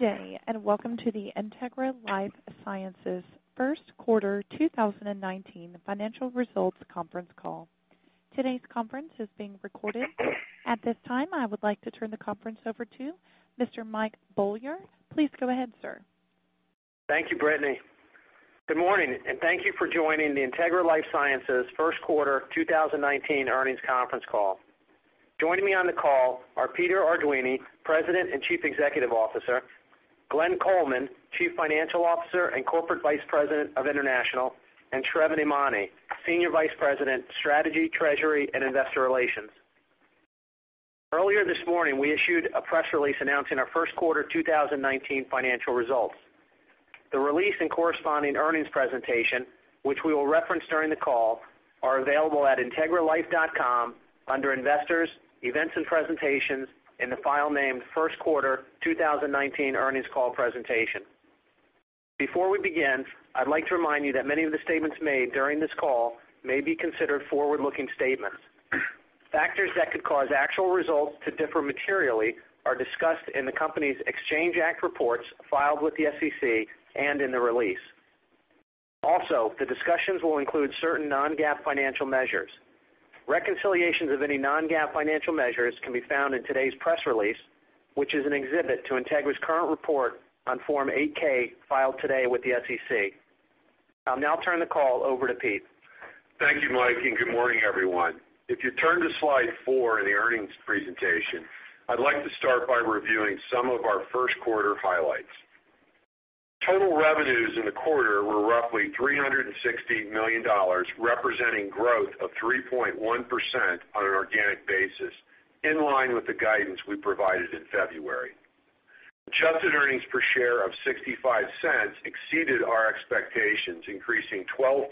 Good day and welcome to the Integra LifeSciences First Quarter 2019 Financial Results Conference Call. Today's conference is being recorded. At this time, I would like to turn the conference over to Mr. Michael Beaulieu. Please go ahead, sir. Thank you, Brittany. Good morning and thank you for joining the Integra LifeSciences First Quarter 2019 Earnings Conference Call. Joining me on the call are Peter Arduini, President and Chief Executive Officer, Glenn Coleman, Chief Financial Officer and Corporate Vice President of International, and Trevor Nimani, Senior Vice President, Strategy, Treasury, and Investor Relations. Earlier this morning, we issued a press release announcing our First Quarter 2019 financial results. The release and corresponding earnings presentation, which we will reference during the call, are available at integraLife.com under Investors, Events and Presentations, in the file named First Quarter 2019 Earnings Call Presentation. Before we begin, I'd like to remind you that many of the statements made during this call may be considered forward-looking statements. Factors that could cause actual results to differ materially are discussed in the company's Exchange Act reports filed with the SEC and in the release. Also, the discussions will include certain non-GAAP financial measures. Reconciliations of any non-GAAP financial measures can be found in today's press release, which is an exhibit to Integra's current report on Form 8-K filed today with the SEC. I'll now turn the call over to Pete. Thank you, Mike, and good morning, everyone. If you turn to slide four in the earnings presentation, I'd like to start by reviewing some of our first quarter highlights. Total revenues in the quarter were roughly $360 million, representing growth of 3.1% on an organic basis, in line with the guidance we provided in February. Adjusted earnings per share of $0.65 exceeded our expectations, increasing 12%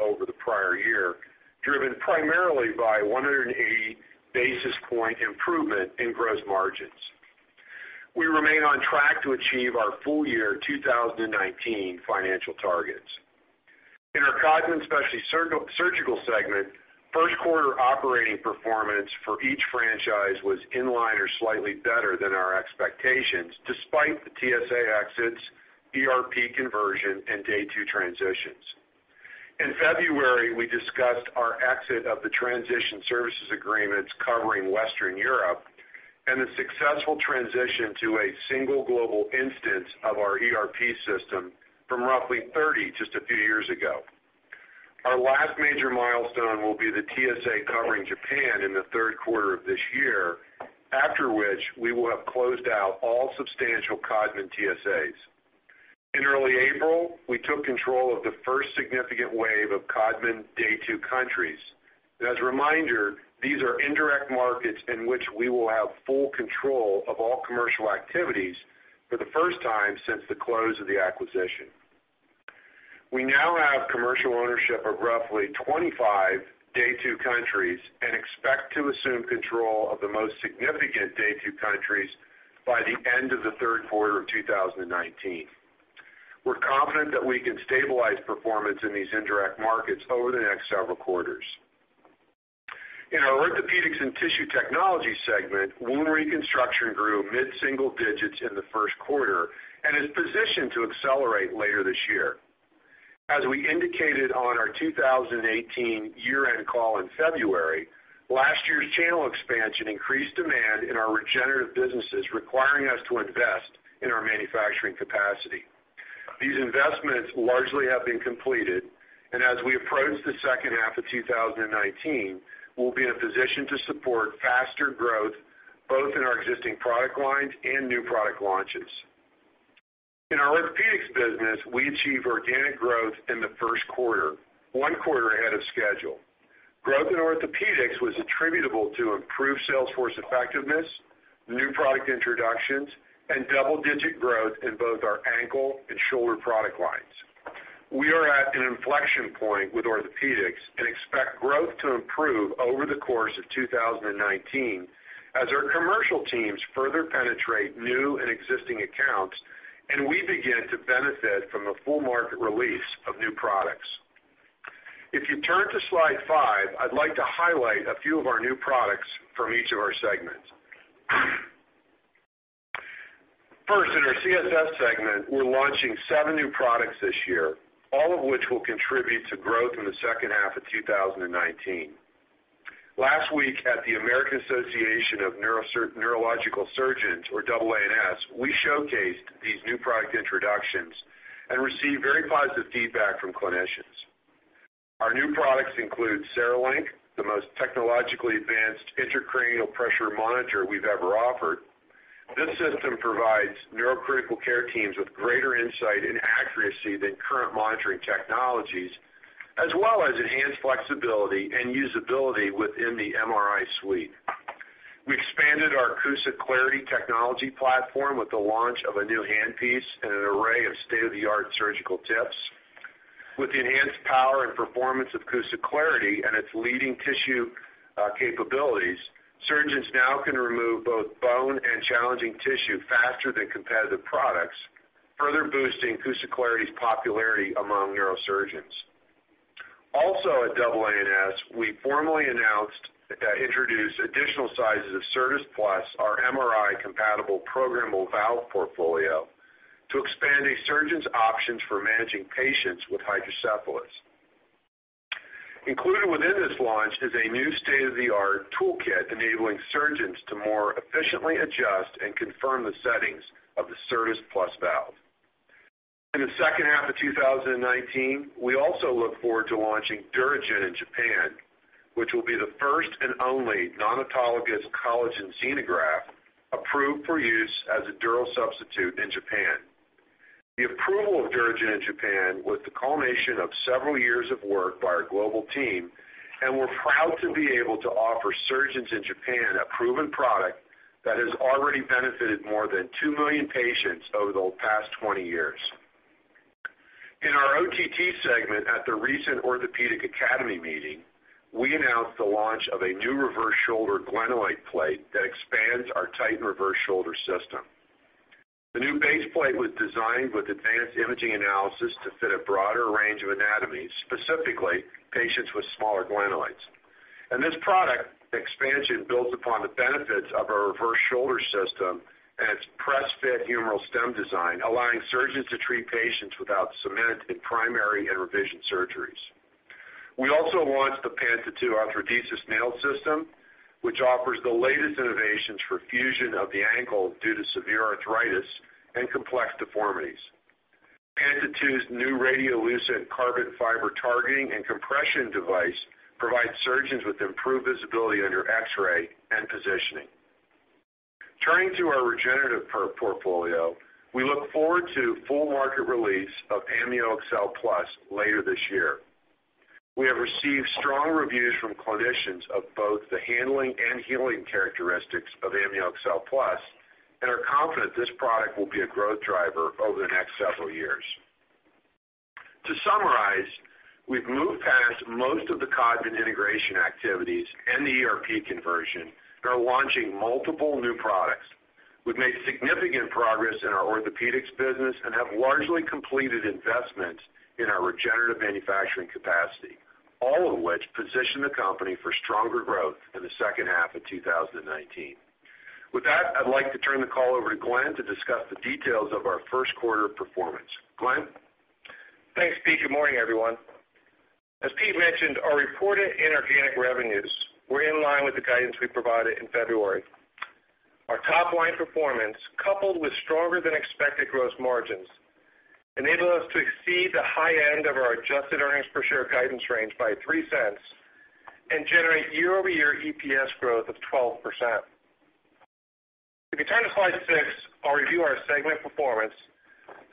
over the prior year, driven primarily by a 180 basis points improvement in gross margins. We remain on track to achieve our full year 2019 financial targets. In our Codman Specialty Surgical segment, first quarter operating performance for each franchise was in line or slightly better than our expectations, despite the TSA exits, ERP conversion, and Day 2 transitions. In February, we discussed our exit of the transition services agreements covering Western Europe and the successful transition to a single global instance of our ERP system from roughly 30 just a few years ago. Our last major milestone will be the TSA covering Japan in the third quarter of this year, after which we will have closed out all substantial Codman TSAs. In early April, we took control of the first significant wave of Codman day two countries. As a reminder, these are indirect markets in which we will have full control of all commercial activities for the first time since the close of the acquisition. We now have commercial ownership of roughly 25 day two countries and expect to assume control of the most significant day two countries by the end of the third quarter of 2019. We're confident that we can stabilize performance in these indirect markets over the next several quarters. In our orthopedics and tissue technology segment, wound reconstruction grew mid-single digits in the first quarter and is positioned to accelerate later this year. As we indicated on our 2018 year-end call in February, last year's channel expansion increased demand in our regenerative businesses, requiring us to invest in our manufacturing capacity. These investments largely have been completed, and as we approach the second half of 2019, we'll be in a position to support faster growth both in our existing product lines and new product launches. In our orthopedics business, we achieved organic growth in the first quarter, one quarter ahead of schedule. Growth in orthopedics was attributable to improved sales force effectiveness, new product introductions, and double-digit growth in both our ankle and shoulder product lines. We are at an inflection point with orthopedics and expect growth to improve over the course of 2019 as our commercial teams further penetrate new and existing accounts and we begin to benefit from the full market release of new products. If you turn to slide five, I'd like to highlight a few of our new products from each of our segments. First, in our CSF segment, we're launching seven new products this year, all of which will contribute to growth in the second half of 2019. Last week, at the American Association of Neurological Surgeons, or AANS, we showcased these new product introductions and received very positive feedback from clinicians. Our new products include CereLink, the most technologically advanced intracranial pressure monitor we've ever offered. This system provides neurocritical care teams with greater insight and accuracy than current monitoring technologies, as well as enhanced flexibility and usability within the MRI suite. We expanded our CUSA Clarity technology platform with the launch of a new handpiece and an array of state-of-the-art surgical tips. With the enhanced power and performance of CUSA Clarity and its leading tissue capabilities, surgeons now can remove both bone and challenging tissue faster than competitive products, further boosting CUSA Clarity's popularity among neurosurgeons. Also, at AANS, we formally announced that we introduced additional sizes of CERTAS Plus, our MRI-compatible programmable valve portfolio, to expand a surgeon's options for managing patients with hydrocephalus. Included within this launch is a new state-of-the-art toolkit enabling surgeons to more efficiently adjust and confirm the settings of the CERTAS Plus valve. In the second half of 2019, we also look forward to launching DuraGen in Japan, which will be the first and only non-autologous collagen xenograft approved for use as a dual substitute in Japan. The approval of DuraGen in Japan was the culmination of several years of work by our global team, and we're proud to be able to offer surgeons in Japan a proven product that has already benefited more than two million patients over the past 20 years. In our OTT segment at the recent Orthopedic Academy meeting, we announced the launch of a new reverse shoulder glenoid plate that expands our Titan Reverse Shoulder System. The new base plate was designed with advanced imaging analysis to fit a broader range of anatomy, specifically patients with smaller glenoids. This product expansion builds upon the benefits of our reverse shoulder system and its press-fit humeral stem design, allowing surgeons to treat patients without cement in primary and revision surgeries. We also launched the Panta 2 TTC Arthrodesis Nail System, which offers the latest innovations for fusion of the ankle due to severe arthritis and complex deformities. Panta 2's new radiolucent carbon fiber targeting and compression device provides surgeons with improved visibility under X-ray and positioning. Turning to our regenerative portfolio, we look forward to full market release of AmnioExcel Plus later this year. We have received strong reviews from clinicians of both the handling and healing characteristics of AmnioExcel Plus and are confident this product will be a growth driver over the next several years. To summarize, we've moved past most of the Codman integration activities and the ERP conversion and are launching multiple new products. We've made significant progress in our orthopedics business and have largely completed investments in our regenerative manufacturing capacity, all of which position the company for stronger growth in the second half of 2019. With that, I'd like to turn the call over to Glenn to discuss the details of our first quarter performance. Glenn? Thanks, Pete. Good morning, everyone. As Pete mentioned, our reported inorganic revenues were in line with the guidance we provided in February. Our top-line performance, coupled with stronger-than-expected gross margins, enabled us to exceed the high end of our adjusted earnings per share guidance range by $0.03 and generate year-over-year EPS growth of 12%. If you turn to slide six, I'll review our segment performance,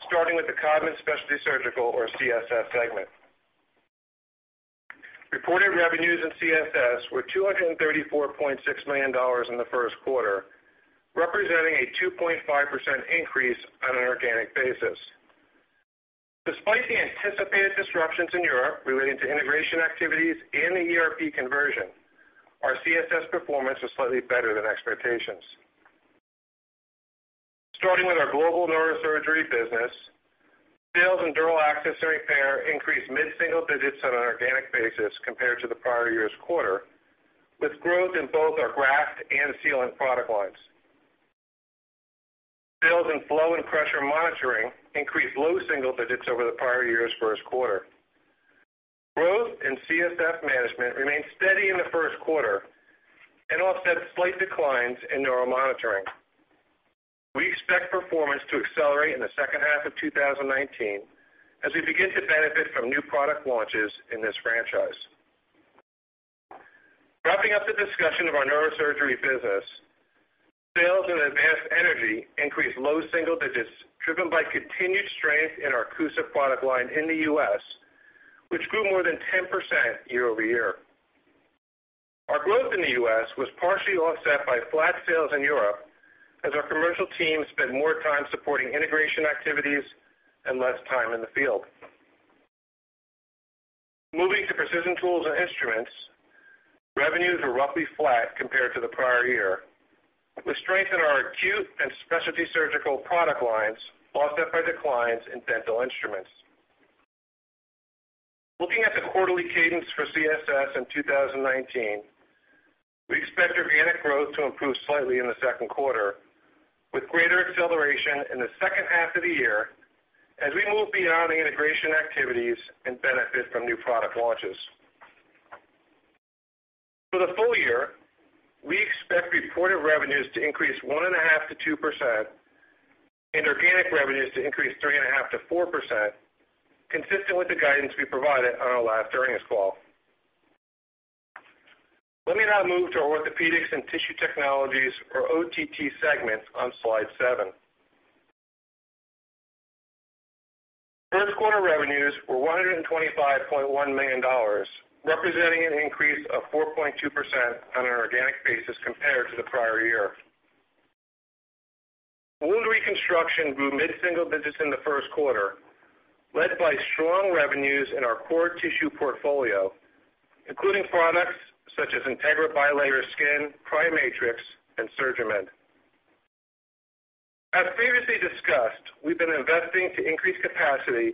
starting with the Codman Specialty Surgical, or CSS, segment. Reported revenues in CSS were $234.6 million in the first quarter, representing a 2.5% increase on an organic basis. Despite the anticipated disruptions in Europe relating to integration activities and the ERP conversion, our CSS performance was slightly better than expectations. Starting with our global neurosurgery business, sales in dural repair increased mid-single digits on an organic basis compared to the prior year's quarter, with growth in both our graft and sealant product lines. Sales and flow and pressure monitoring increased low single digits over the prior year's first quarter. Growth in CSF management remained steady in the first quarter and offset slight declines in neuromonitoring. We expect performance to accelerate in the second half of 2019 as we begin to benefit from new product launches in this franchise. Wrapping up the discussion of our neurosurgery business, sales and advanced energy increased low single digits driven by continued strength in our CUSA product line in the U.S., which grew more than 10% year-over-year. Our growth in the U.S. was partially offset by flat sales in Europe as our commercial team spent more time supporting integration activities and less time in the field. Moving to precision tools and instruments, revenues were roughly flat compared to the prior year, with strength in our acute and specialty surgical product lines offset by declines in dental instruments. Looking at the quarterly cadence for CSS in 2019, we expect organic growth to improve slightly in the second quarter, with greater acceleration in the second half of the year as we move beyond the integration activities and benefit from new product launches. For the full year, we expect reported revenues to increase 1.5%-2% and organic revenues to increase 3.5%-4%, consistent with the guidance we provided on our last earnings call. Let me now move to orthopedics and tissue technologies, or OTT segment, on slide seven. First quarter revenues were $125.1 million, representing an increase of 4.2% on an organic basis compared to the prior year. Wound reconstruction grew mid-single digits in the first quarter, led by strong revenues in our core tissue portfolio, including products such as Integra Bilayer Skin, PriMatrix, and SurgiMend. As previously discussed, we've been investing to increase capacity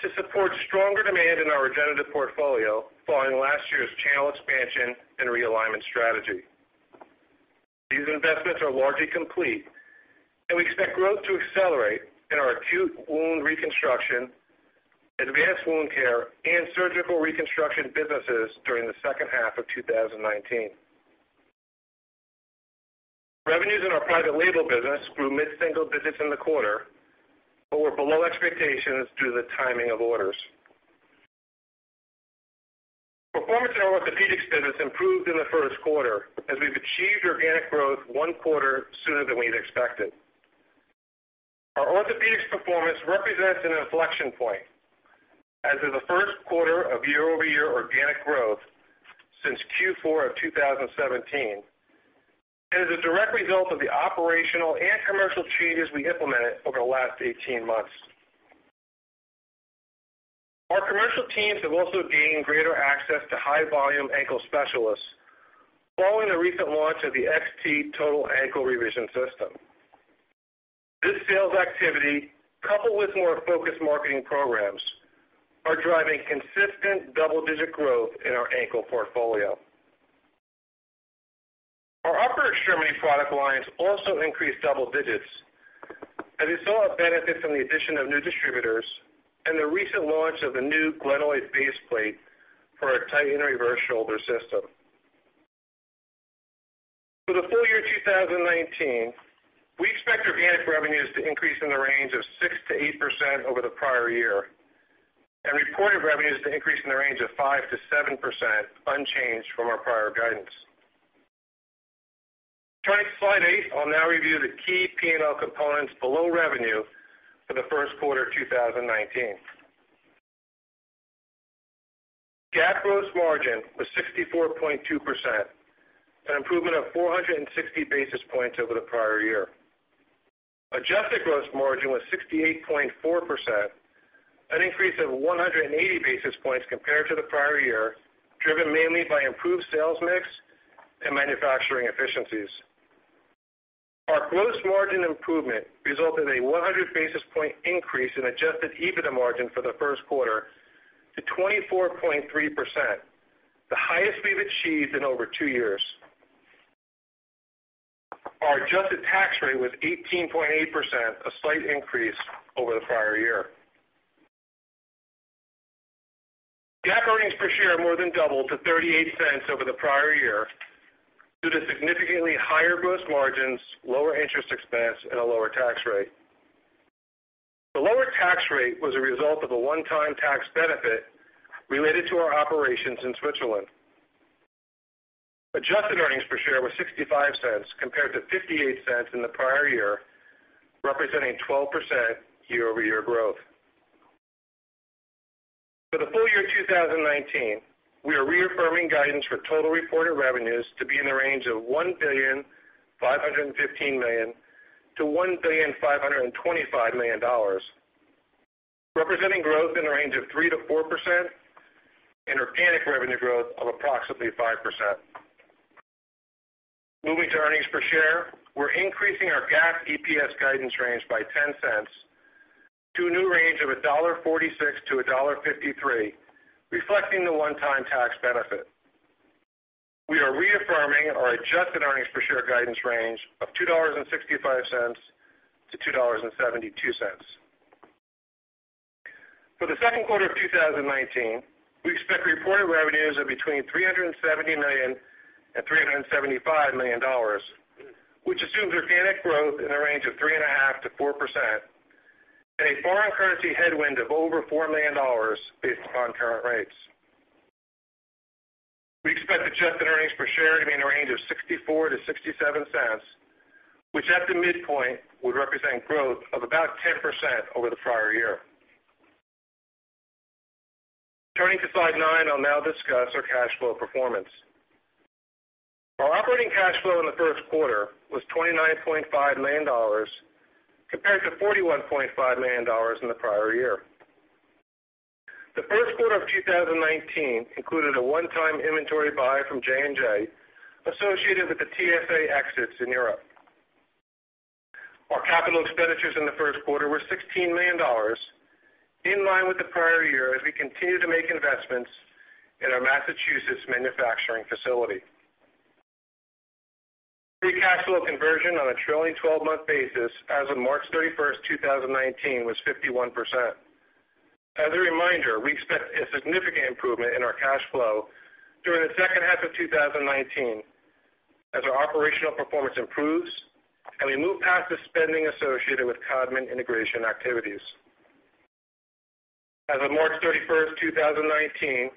to support stronger demand in our regenerative portfolio following last year's channel expansion and realignment strategy. These investments are largely complete, and we expect growth to accelerate in our acute wound reconstruction, advanced wound care, and surgical reconstruction businesses during the second half of 2019. Revenues in our private label business grew mid-single digits in the quarter, but were below expectations due to the timing of orders. Performance in our orthopedics business improved in the first quarter as we've achieved organic growth one quarter sooner than we'd expected. Our orthopedics performance represents an inflection point as of the first quarter of year-over-year organic growth since Q4 of 2017 and is a direct result of the operational and commercial changes we implemented over the last 18 months. Our commercial teams have also gained greater access to high-volume ankle specialists following the recent launch of the XT Total Ankle Revision System. This sales activity, coupled with more focused marketing programs, is driving consistent double-digit growth in our ankle portfolio. Our upper extremity product lines also increased double digits as we saw a benefit from the addition of new distributors and the recent launch of the new Glenoid base plate for our Titan Reverse Shoulder System. For the full year 2019, we expect organic revenues to increase in the range of 6%-8% over the prior year and reported revenues to increase in the range of 5%-7%, unchanged from our prior guidance. Turning to slide eight, I'll now review the key P&L components below revenue for the first quarter of 2019. GAAP gross margin was 64.2%, an improvement of 460 basis points over the prior year. Adjusted gross margin was 68.4%, an increase of 180 basis points compared to the prior year, driven mainly by improved sales mix and manufacturing efficiencies. Our gross margin improvement resulted in a 100 basis point increase in adjusted EBITDA margin for the first quarter to 24.3%, the highest we've achieved in over two years. Our adjusted tax rate was 18.8%, a slight increase over the prior year. GAAP earnings per share more than doubled to $0.38 over the prior year due to significantly higher gross margins, lower interest expense, and a lower tax rate. The lower tax rate was a result of a one-time tax benefit related to our operations in Switzerland. Adjusted earnings per share was $0.65 compared to $0.58 in the prior year, representing 12% year-over-year growth. For the full year 2019, we are reaffirming guidance for total reported revenues to be in the range of $1,515,000,000-$1,525,000,000, representing growth in the range of 3%-4% and organic revenue growth of approximately 5%. Moving to earnings per share, we're increasing our GAAP EPS guidance range by $0.10 to a new range of $1.46-$1.53, reflecting the one-time tax benefit. We are reaffirming our adjusted earnings per share guidance range of $2.65-$2.72. For the second quarter of 2019, we expect reported revenues of between $370 million and $375million which assumes organic growth in the range of 3.5%-4% and a foreign currency headwind of over $4 million based upon current rates. We expect adjusted earnings per share to be in the range of $0.64-$0.67, which at the midpoint would represent growth of about 10% over the prior year. Turning to slide nine, I'll now discuss our cash flow performance. Our operating cash flow in the first quarter was $29.5 million compared to $41.5 million in the prior year. The first quarter of 2019 included a one-time inventory buy from J&J associated with the TSA exits in Europe. Our capital expenditures in the first quarter were $16 million, in line with the prior year as we continue to make investments in our Massachusetts manufacturing facility. Pre-cash flow conversion on a trailing 12-month basis as of March 31, 2019, was 51%. As a reminder, we expect a significant improvement in our cash flow during the second half of 2019 as our operational performance improves and we move past the spending associated with Codman integration activities. As of March 31, 2019,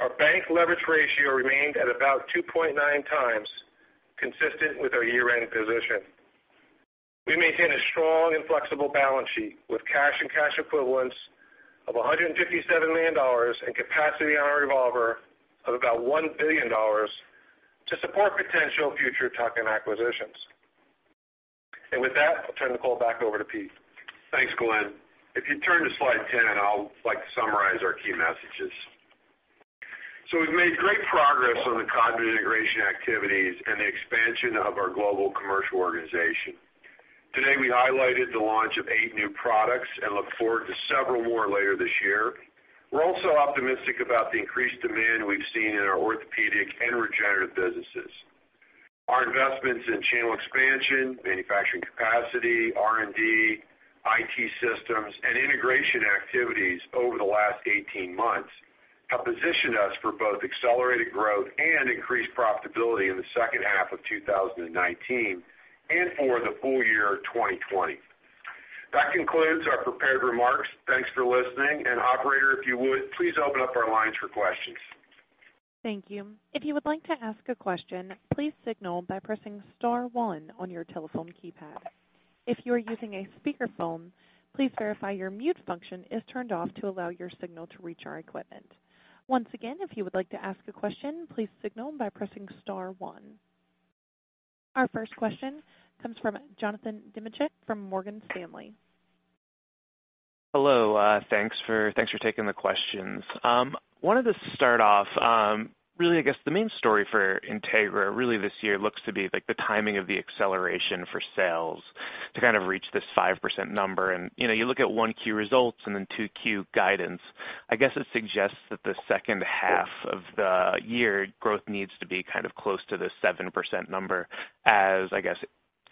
our bank leverage ratio remained at about 2.9 times, consistent with our year-end position. We maintain a strong and flexible balance sheet with cash and cash equivalents of $157 million and capacity on our revolver of about $1 billion to support potential future tuck-in acquisitions, and with that, I'll turn the call back over to Pete. Thanks, Glenn. If you turn to slide 10, I'll summarize our key messages. So we've made great progress on the Codman integration activities and the expansion of our global commercial organization. Today, we highlighted the launch of eight new products and look forward to several more later this year. We're also optimistic about the increased demand we've seen in our orthopedic and regenerative businesses. Our investments in channel expansion, manufacturing capacity, R&D, IT systems, and integration activities over the last 18 months have positioned us for both accelerated growth and increased profitability in the second half of 2019 and for the full year 2020. That concludes our prepared remarks. Thanks for listening, and operator, if you would, please open up our lines for questions. Thank you. If you would like to ask a question, please signal by pressing star one on your telephone keypad. If you are using a speakerphone, please verify your mute function is turned off to allow your signal to reach our equipment. Once again, if you would like to ask a question, please signal by pressing star one. Our first question comes from Jonathan Demchick from Morgan Stanley. Hello. Thanks for taking the questions. Wanted to start off, really, I guess the main story for Integra really this year looks to be the timing of the acceleration for sales to kind of reach this 5% number. And you look at Q1 results and then Q2 guidance. I guess it suggests that the second half of the year growth needs to be kind of close to the 7% number as, I guess,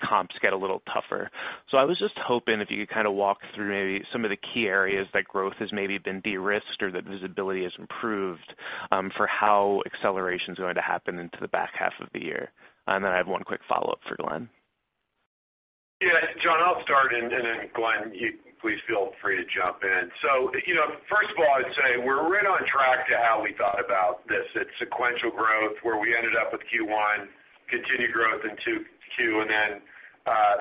comps get a little tougher. So I was just hoping if you could kind of walk through maybe some of the key areas that growth has maybe been de-risked or that visibility has improved for how acceleration is going to happen into the back half of the year. And then I have one quick follow-up for Glenn. Yeah. John, I'll start, and then Glenn, please feel free to jump in. So first of all, I'd say we're right on track to how we thought about this. It's sequential growth where we ended up with Q1, continued growth in Q2, and then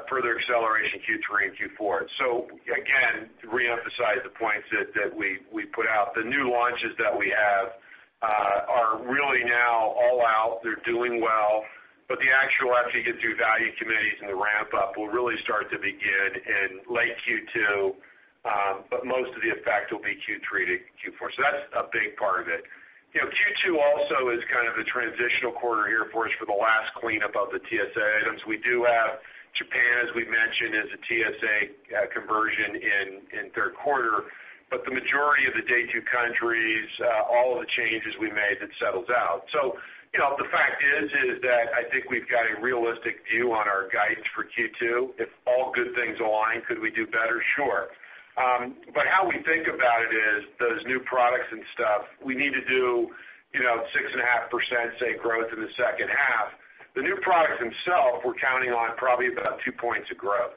further acceleration Q3 and Q4. So again, re-emphasize the points that we put out. The new launches that we have are really now all out. They're doing well. But the actual after you get through value committees and the ramp-up will really start to begin in late Q2, but most of the effect will be Q3 to Q4. So that's a big part of it. Q2 also is kind of the transitional quarter here for us for the last cleanup of the TSA items. We do have Japan, as we mentioned, as a TSA conversion in third quarter, but the majority of the Day 2 countries, all of the changes we made, it settles out. So the fact is that I think we've got a realistic view on our guidance for Q2. If all good things align, could we do better? Sure. But how we think about it is those new products and stuff, we need to do 6.5%, say, growth in the second half. The new products themselves, we're counting on probably about two points of growth.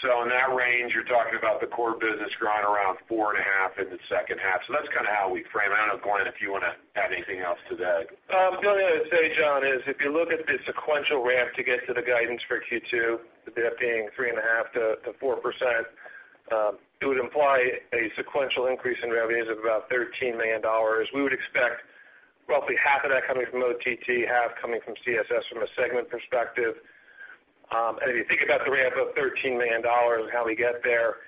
So in that range, you're talking about the core business growing around 4.5 in the second half. So that's kind of how we frame. I don't know, Glenn, if you want to add anything else to that. The only thing I'd say, John, is if you look at the sequential ramp to get to the guidance for Q2, that being 3.5%-4%, it would imply a sequential increase in revenues of about $13 million. We would expect roughly half of that coming from OTT, half coming from CSS from a segment perspective. And if you think about the ramp of $13 million and how we get there,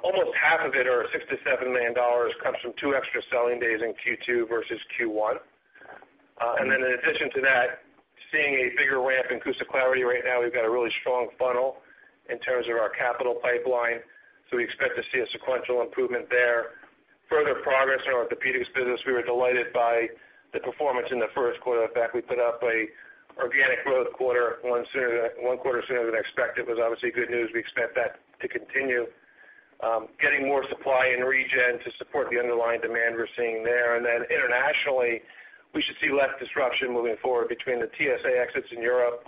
almost half of it, or $6 million to $7 million, comes from 2 extra selling days in Q2 versus Q1. And then in addition to that, seeing a bigger ramp in CUSA Clarity right now, we've got a really strong funnel in terms of our capital pipeline. So we expect to see a sequential improvement there. Further progress in our orthopedics business. We were delighted by the performance in the first quarter. In fact, we put up an organic growth quarter, one quarter sooner than expected. It was obviously good news. We expect that to continue, getting more supply in region to support the underlying demand we're seeing there, and then internationally, we should see less disruption moving forward between the TSA exits in Europe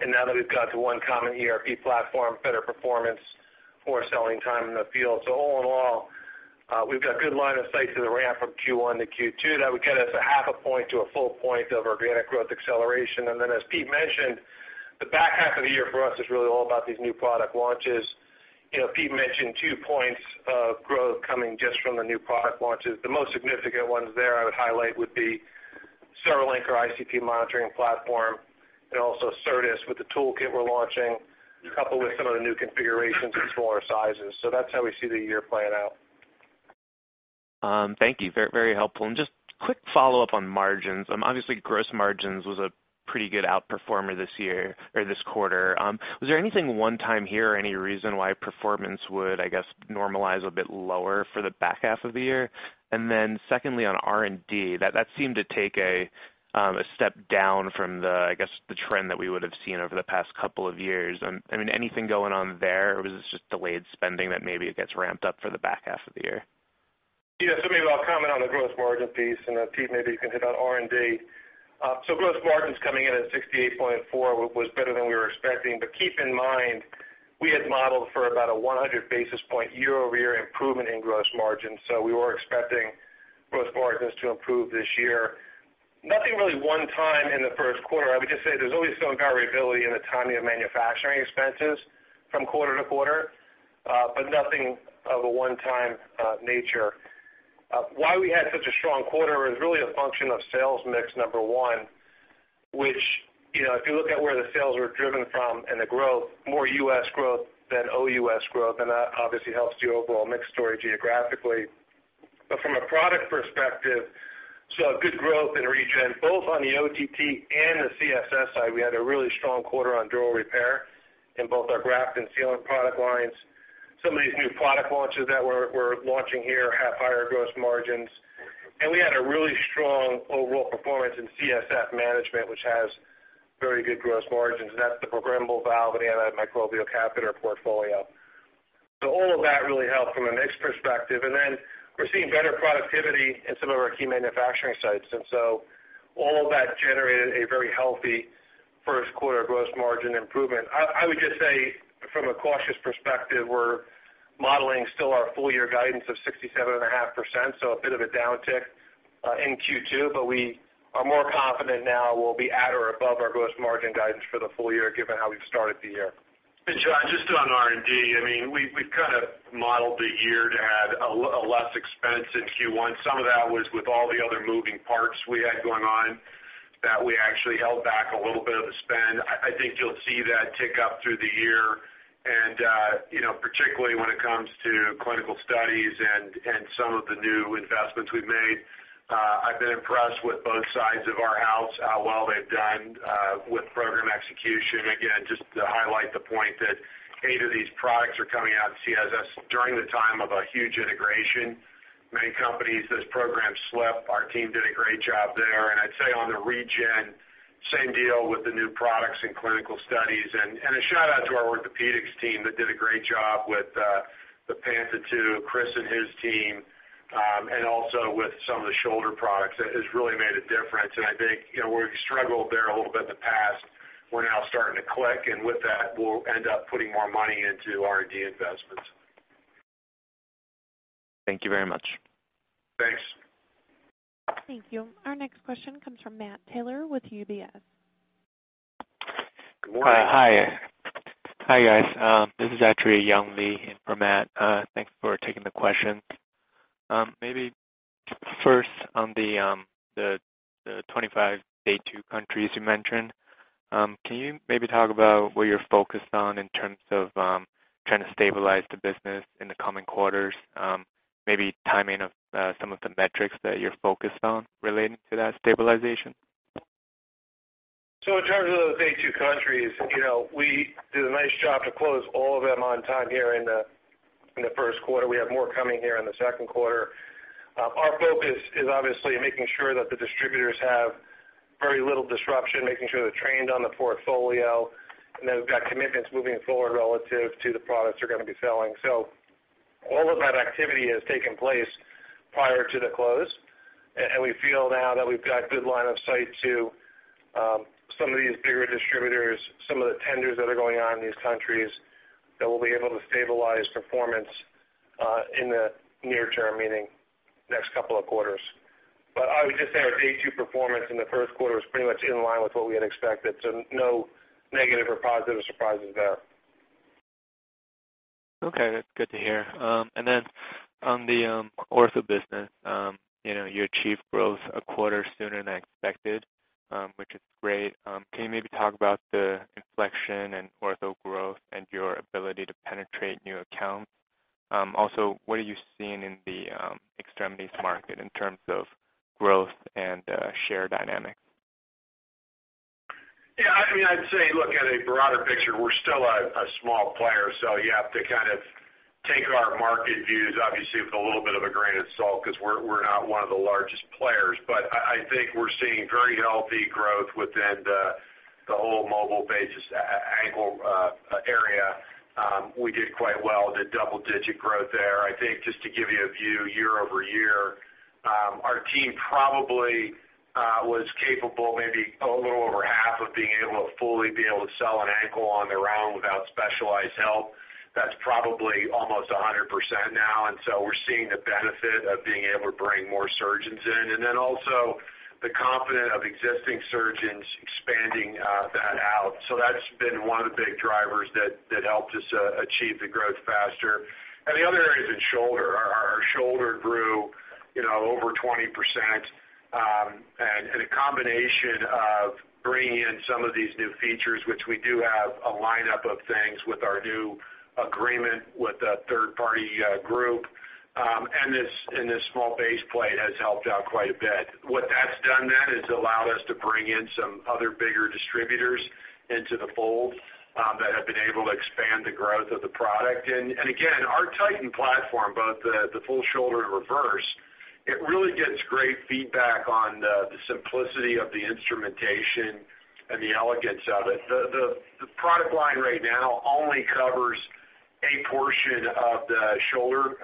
and now that we've got to one common ERP platform, better performance, more selling time in the field, so all in all, we've got a good line of sight to the ramp from Q1 to Q2 that would get us a half a point to a full point of organic growth acceleration, and then as Pete mentioned, the back half of the year for us is really all about these new product launches. Pete mentioned two points of growth coming just from the new product launches. The most significant ones there I would highlight would be CereLink, our ICP monitoring platform, and also Certas with the toolkit we're launching, coupled with some of the new configurations and smaller sizes. So that's how we see the year playing out. Thank you. Very, very helpful, and just quick follow-up on margins. Obviously, gross margins was a pretty good outperformer this year or this quarter. Was there anything one-time here or any reason why performance would, I guess, normalize a bit lower for the back half of the year, and then secondly, on R&D, that seemed to take a step down from the, I guess, the trend that we would have seen over the past couple of years. I mean, anything going on there? Or was it just delayed spending that maybe gets ramped up for the back half of the year? Yeah. So maybe I'll comment on the gross margin piece. And Pete, maybe you can hit on R&D. So gross margins coming in at 68.4% was better than we were expecting. But keep in mind, we had modeled for about a 100 basis point year-over-year improvement in gross margins. So we were expecting gross margins to improve this year. Nothing really one-time in the first quarter. I would just say there's always some variability in the timing of manufacturing expenses from quarter to quarter, but nothing of a one-time nature. Why we had such a strong quarter was really a function of sales mix, number one, which if you look at where the sales were driven from and the growth, more U.S. growth than OUS growth. And that obviously helps the overall mixed story geographically. But from a product perspective, so good growth in region, both on the OTT and the CSS side, we had a really strong quarter on durable repair in both our graft and sealant product lines. Some of these new product launches that we're launching here have higher gross margins. And we had a really strong overall performance in CSF management, which has very good gross margins. And that's the programmable valve and antimicrobial catheter portfolio. So all of that really helped from a mixed perspective. And then we're seeing better productivity in some of our key manufacturing sites. And so all of that generated a very healthy first quarter gross margin improvement. I would just say from a cautious perspective, we're modeling still our full year guidance of 67.5%, so a bit of a downtick in Q2. But we are more confident now, we'll be at or above our gross margin guidance for the full year, given how we've started the year. And John, just on R&D, I mean, we've kind of modeled the year to have a less expense in Q1. Some of that was with all the other moving parts we had going on that we actually held back a little bit of the spend. I think you'll see that tick up through the year. And particularly when it comes to clinical studies and some of the new investments we've made, I've been impressed with both sides of our house how well they've done with program execution. Again, just to highlight the point that eight of these products are coming out in CSS during the time of a huge integration. Many companies, those programs slip. Our team did a great job there. And I'd say on the region, same deal with the new products and clinical studies. A shout-out to our orthopedics team that did a great job with the Panta 2, Chris and his team, and also with some of the shoulder products. It has really made a difference. I think where we struggled there a little bit in the past, we're now starting to click. With that, we'll end up putting more money into R&D investments. Thank you very much. Thanks. Thank you. Our next question comes from Matt Taylor with UBS. Good morning. Hi. Hi, guys. This is actually Young Li from UBS. Thanks for taking the question. Maybe first on the 25 Day 2 countries you mentioned, can you maybe talk about what you're focused on in terms of trying to stabilize the business in the coming quarters? Maybe timing of some of the metrics that you're focused on relating to that stabilization? So in terms of those Day 2 countries, we did a nice job to close all of them on time here in the first quarter. We have more coming here in the second quarter. Our focus is obviously making sure that the distributors have very little disruption, making sure they're trained on the portfolio, and then we've got commitments moving forward relative to the products they're going to be selling. So all of that activity has taken place prior to the close. And we feel now that we've got a good line of sight to some of these bigger distributors, some of the tenders that are going on in these countries that will be able to stabilize performance in the near term, meaning next couple of quarters. But I would just say our Day 2 performance in the first quarter was pretty much in line with what we had expected. So no negative or positive surprises there. Okay. That's good to hear. And then on the ortho business, you achieved growth a quarter sooner than expected, which is great. Can you maybe talk about the inflection in ortho growth and your ability to penetrate new accounts? Also, what are you seeing in the extremities market in terms of growth and share dynamics? Yeah. I mean, I'd say look at a broader picture. We're still a small player. So you have to kind of take our market views, obviously, with a little bit of a grain of salt because we're not one of the largest players. But I think we're seeing very healthy growth within the whole mobile bearing ankle area. We did quite well. The double-digit growth there. I think just to give you a view year over year, our team probably was capable maybe a little over half of being able to fully be able to sell an ankle on their own without specialized help. That's probably almost 100% now. And so we're seeing the benefit of being able to bring more surgeons in. And then also the confidence of existing surgeons expanding that out. So that's been one of the big drivers that helped us achieve the growth faster. The other area has been shoulder. Our shoulder grew over 20%. A combination of bringing in some of these new features, which we do have a lineup of things with our new agreement with a third-party group, and this small base plate has helped out quite a bit. What that's done then is allowed us to bring in some other bigger distributors into the fold that have been able to expand the growth of the product. Again, our Titan platform, both the full shoulder and reverse, really gets great feedback on the simplicity of the instrumentation and the elegance of it. The product line right now only covers a portion of the shoulder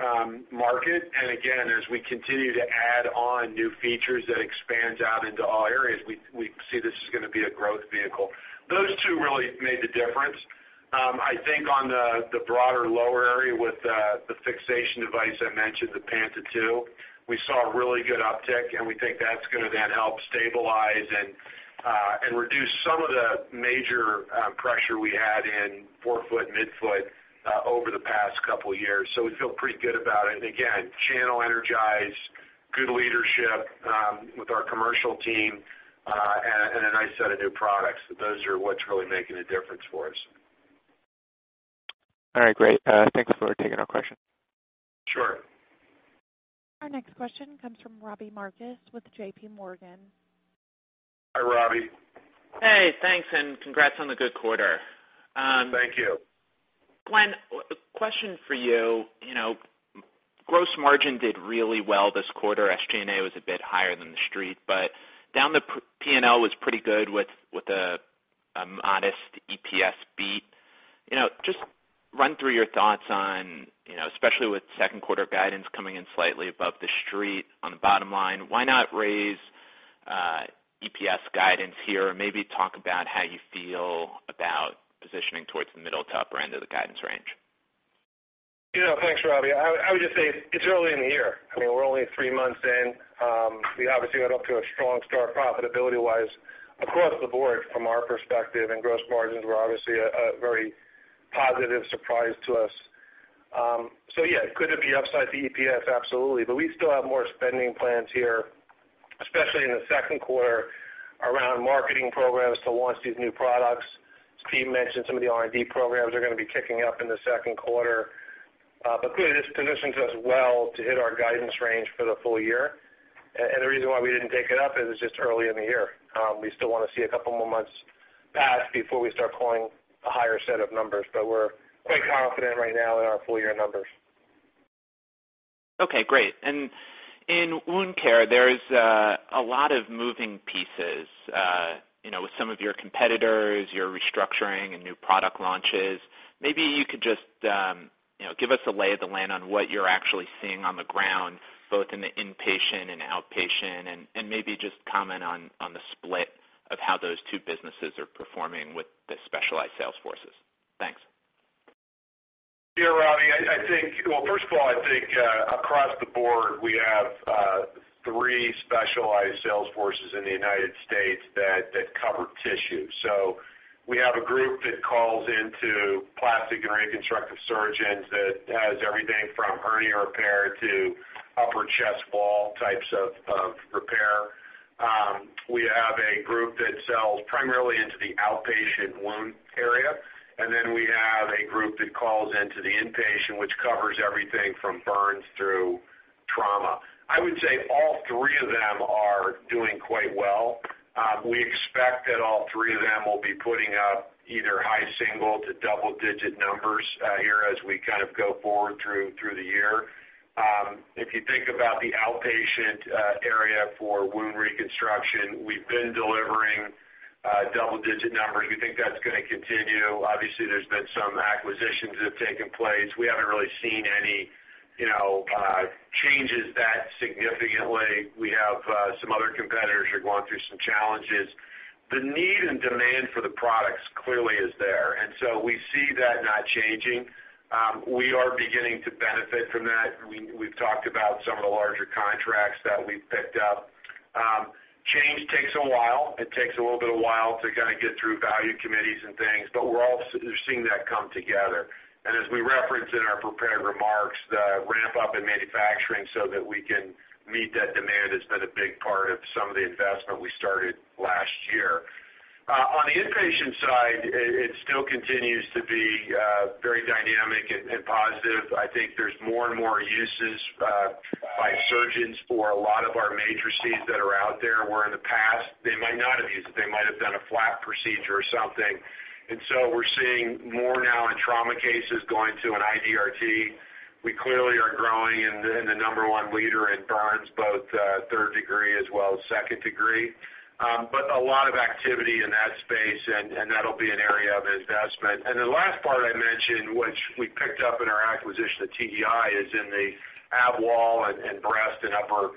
market. Again, as we continue to add on new features that expands out into all areas, we see this is going to be a growth vehicle. Those two really made the difference. I think on the broader lower area with the fixation device I mentioned, the Panta 2, we saw really good uptick. And we think that's going to then help stabilize and reduce some of the major pressure we had in forefoot, midfoot over the past couple of years. So we feel pretty good about it. And again, Channel Energize, good leadership with our commercial team, and a nice set of new products. Those are what's really making a difference for us. All right. Great. Thanks for taking our questions. Sure. Our next question comes from Robbie Marcus with JPMorgan. Hi, Robbie. Hey. Thanks, and congrats on the good quarter. Thank you. Glenn, question for you. Gross margin did really well this quarter. SG&A was a bit higher than the street. But down the P&L was pretty good with an honest EPS beat. Just run through your thoughts on, especially with second quarter guidance coming in slightly above the street on the bottom line, why not raise EPS guidance here? Maybe talk about how you feel about positioning towards the middle to upper end of the guidance range. Thanks, Robbie. I would just say it's early in the year. I mean, we're only three months in. We obviously got off to a strong start profitability-wise across the board from our perspective. And gross margins were obviously a very positive surprise to us. So yeah, it could be upside to EPS, absolutely. But we still have more spending plans here, especially in the second quarter around marketing programs to launch these new products. Steve mentioned some of the R&D programs are going to be kicking up in the second quarter. But clearly, this positions us well to hit our guidance range for the full year. And the reason why we didn't take it up is it's just early in the year. We still want to see a couple more months pass before we start calling a higher set of numbers. But we're quite confident right now in our full year numbers. Okay. Great. And in wound care, there's a lot of moving pieces with some of your competitors, your restructuring, and new product launches. Maybe you could just give us a lay of the land on what you're actually seeing on the ground, both in the inpatient and outpatient, and maybe just comment on the split of how those two businesses are performing with the specialized sales forces. Thanks. Yeah, Robbie. Well, first of all, I think across the board, we have three specialized sales forces in the United States that cover tissue. So we have a group that calls into plastic and reconstructive surgeons that has everything from hernia repair to upper chest wall types of repair. We have a group that sells primarily into the outpatient wound area. And then we have a group that calls into the inpatient, which covers everything from burns through trauma. I would say all three of them are doing quite well. We expect that all three of them will be putting up either high single-digit to double-digit numbers here as we kind of go forward through the year. If you think about the outpatient area for wound reconstruction, we've been delivering double-digit numbers. We think that's going to continue. Obviously, there's been some acquisitions that have taken place. We haven't really seen any changes that significantly. We have some other competitors who are going through some challenges. The need and demand for the products clearly is there, and so we see that not changing. We are beginning to benefit from that. We've talked about some of the larger contracts that we've picked up. Change takes a while. It takes a little bit of while to kind of get through value committees and things, but we're all seeing that come together, and as we referenced in our prepared remarks, the ramp-up in manufacturing so that we can meet that demand has been a big part of some of the investment we started last year. On the inpatient side, it still continues to be very dynamic and positive. I think there's more and more uses by surgeons for a lot of our matrices that are out there where in the past, they might not have used it. They might have done a flap procedure or something. And so we're seeing more now in trauma cases going to an IDRT. We clearly are growing, the number one leader in burns, both third degree as well as second degree. But a lot of activity in that space. And that'll be an area of investment. And the last part I mentioned, which we picked up in our acquisition of TEI, is in the abdominal wall and breast and upper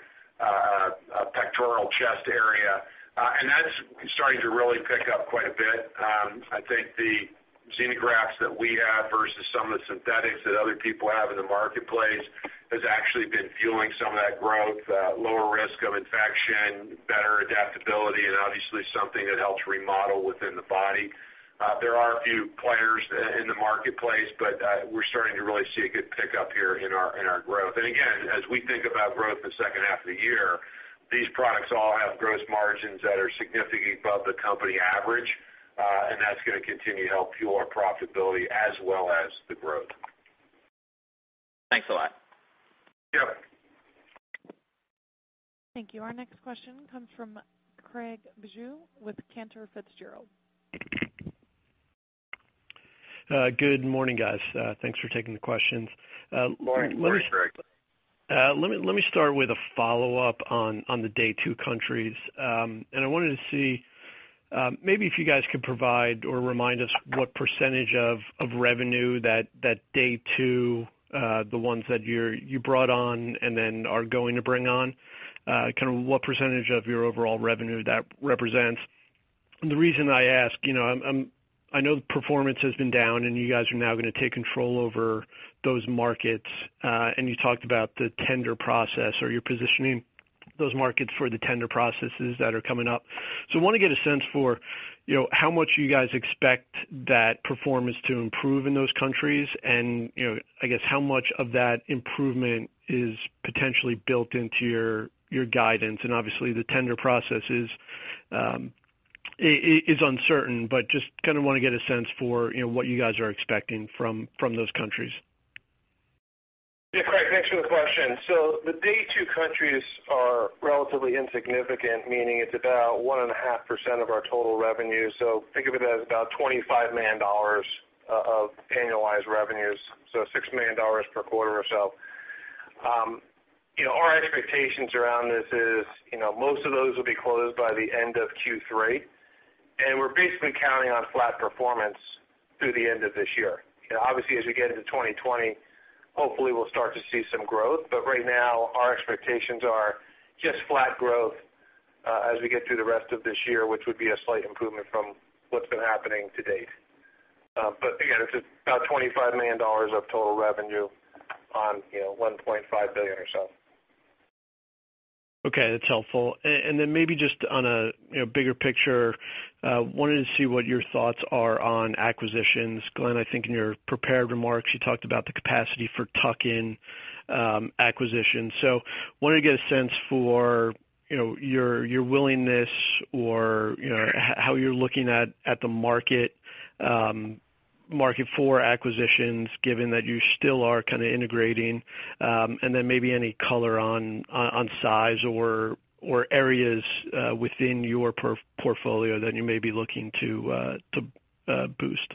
pectoral chest area. And that's starting to really pick up quite a bit. I think the xenografts that we have versus some of the synthetics that other people have in the marketplace has actually been fueling some of that growth, lower risk of infection, better adaptability, and obviously something that helps remodel within the body. There are a few players in the marketplace, but we're starting to really see a good pickup here in our growth. And again, as we think about growth in the second half of the year, these products all have gross margins that are significantly above the company average. And that's going to continue to help fuel our profitability as well as the growth. Thanks a lot. Yep. Thank you. Our next question comes from Craig Bijou with Cantor Fitzgerald. Good morning, guys. Thanks for taking the questions. Morning, Craig. Let me start with a follow-up on the day two countries. And I wanted to see maybe if you guys could provide or remind us what percentage of revenue that day two, the ones that you brought on and then are going to bring on, kind of what percentage of your overall revenue that represents. And the reason I ask, I know the performance has been down, and you guys are now going to take control over those markets. And you talked about the tender process or you're positioning those markets for the tender processes that are coming up. So I want to get a sense for how much you guys expect that performance to improve in those countries. And I guess how much of that improvement is potentially built into your guidance. And obviously, the tender process is uncertain. But just kind of want to get a sense for what you guys are expecting from those countries. Yeah, Craig, thanks for the question. So the day two countries are relatively insignificant, meaning it's about 1.5% of our total revenue. So think of it as about $25 million of annualized revenues, so $6 million per quarter or so. Our expectations around this is most of those will be closed by the end of Q3. And we're basically counting on flat performance through the end of this year. Obviously, as we get into 2020, hopefully, we'll start to see some growth. But right now, our expectations are just flat growth as we get through the rest of this year, which would be a slight improvement from what's been happening to date. But again, it's about $25 million of total revenue on $1.5 billion or so. Okay. That's helpful. And then maybe just on a bigger picture, wanted to see what your thoughts are on acquisitions. Glenn, I think in your prepared remarks, you talked about the capacity for tuck-in acquisitions. So I wanted to get a sense for your willingness or how you're looking at the market for acquisitions, given that you still are kind of integrating. And then maybe any color on size or areas within your portfolio that you may be looking to boost.